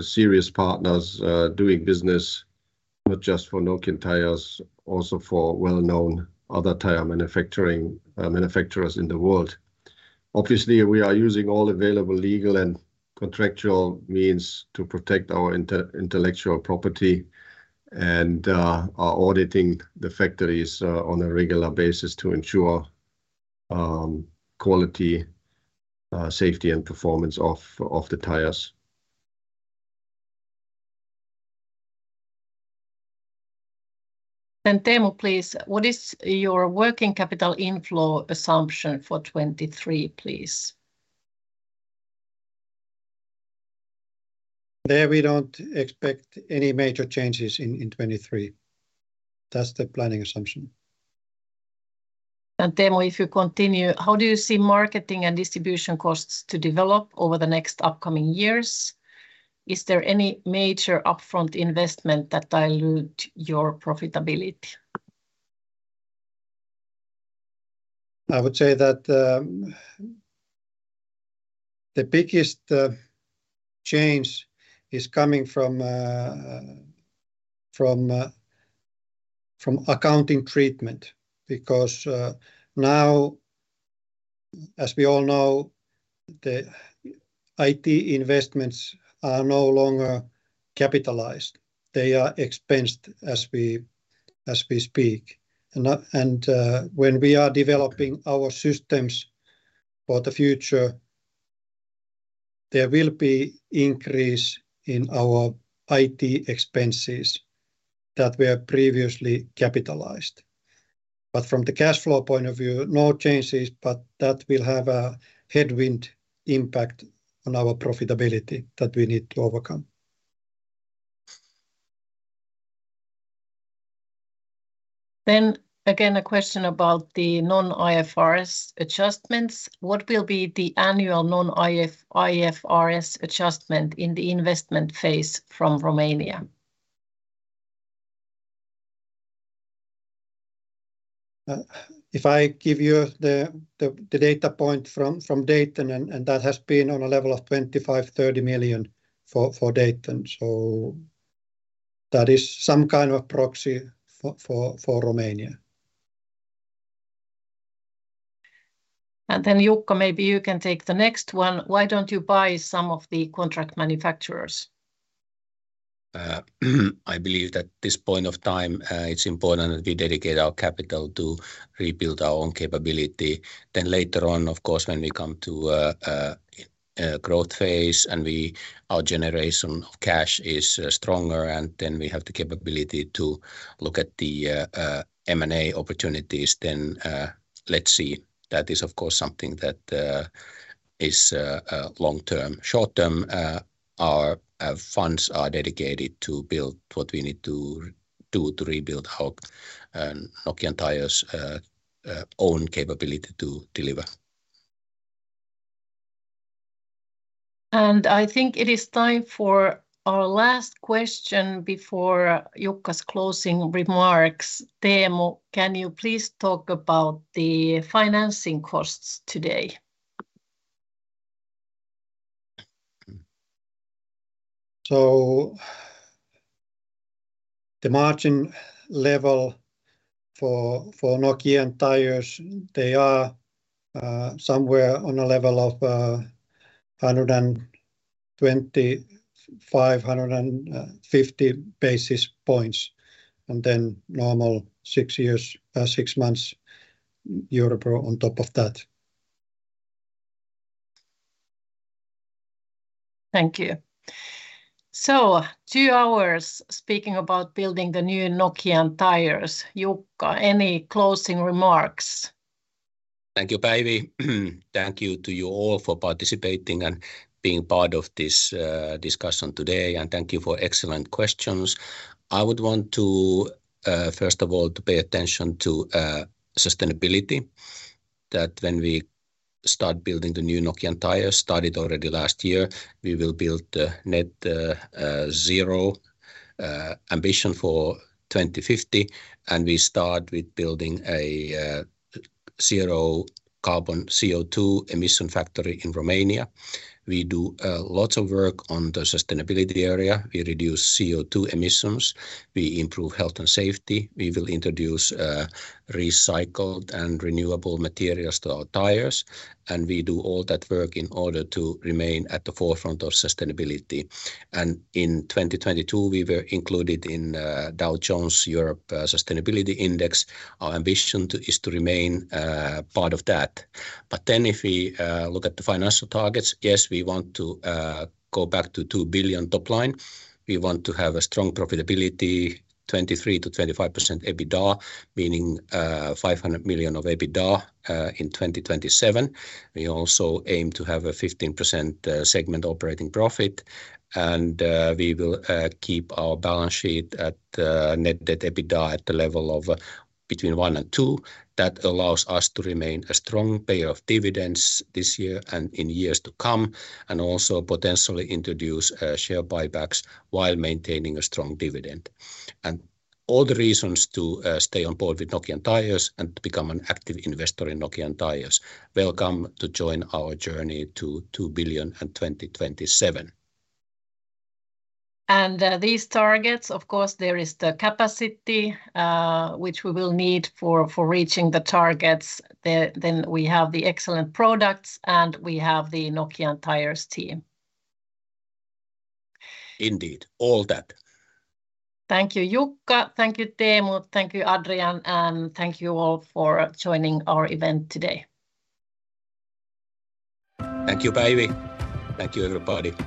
serious partners doing business not just for Nokian Tyres, also for well-known other tire manufacturing manufacturers in the world. Obviously, we are using all available legal and contractual means to protect our intellectual property and are auditing the factories on a regular basis to ensure quality, safety and performance of the tires. Teemu, please, what is your working capital inflow assumption for 2023, please? There we don't expect any major changes in 2023. That's the planning assumption. Teemu, if you continue, how do you see marketing and distribution costs to develop over the next upcoming years? Is there any major upfront investment that dilute your profitability? I would say that the biggest change is coming from from from accounting treatment because now as we all know, the IT investments are no longer capitalized. They are expensed as we speak. When we are developing our systems for the future, there will be increase in our IT expenses that were previously capitalized. From the cash flow point of view, no changes, but that will have a headwind impact on our profitability that we need to overcome. A question about the non-IFRS adjustments. What will be the annual non-IFRS adjustment in the investment phase from Romania? If I give you the data point from Dayton and that has been on a level of 25 million-30 million for Dayton. That is some kind of proxy for Romania. Jukka, maybe you can take the next one. Why don't you buy some of the contract manufacturers? I believe that this point of time, it's important that we dedicate our capital to rebuild our own capability. Later on, of course, when we come to growth phase and our generation of cash is stronger, and then we have the capability to look at the M&A opportunities, then, let's see. That is of course something that is long-term. Short-term, our funds are dedicated to build what we need to do to rebuild our Nokian Tyres' own capability to deliver. I think it is time for our last question before Jukka's closing remarks. Teemu, can you please talk about the financing costs today? The margin level for Nokian Tyres, they are somewhere on a level of 125, 150 basis points, and then normal six years, six months Euro on top of that. Thank you. Two hours speaking about building the new Nokian Tyres. Jukka, any closing remarks? Thank you, Päivi. Thank you to you all for participating and being part of this discussion today, thank you for excellent questions. I would want to first of all to pay attention to sustainability, that when we start building the new Nokian Tyres, started already last year, we will build net zero ambition for 2050, we start with building a zero carbon CO2 emission factory in Romania. We do lots of work on the sustainability area. We reduce CO2 emissions. We improve health and safety. We will introduce recycled and renewable materials to our tires, we do all that work in order to remain at the forefront of sustainability. In 2022 we were included in Dow Jones Sustainability Europe Index. Our ambition is to remain part of that. if we look at the financial targets, yes, we want to go back to 2 billion top line. We want to have a strong profitability, 23%-25% EBITDA, meaning 500 million of EBITDA in 2027. We also aim to have a 15% segment operating profit, and we will keep our balance sheet at net debt EBITDA at the level of between 1 and 2. That allows us to remain a strong payer of dividends this year and in years to come, and also potentially introduce share buybacks while maintaining a strong dividend. all the reasons to stay on board with Nokian Tyres and to become an active investor in Nokian Tyres, welcome to join our journey to 2 billion in 2027. These targets, of course, there is the capacity which we will need for reaching the targets. We have the excellent products, and we have the Nokian Tyres team. Indeed, all that. Thank you, Jukka. Thank you, Teemu. Thank you, Adrian, and thank you all for joining our event today. Thank you, Päivi. Thank you, everybody.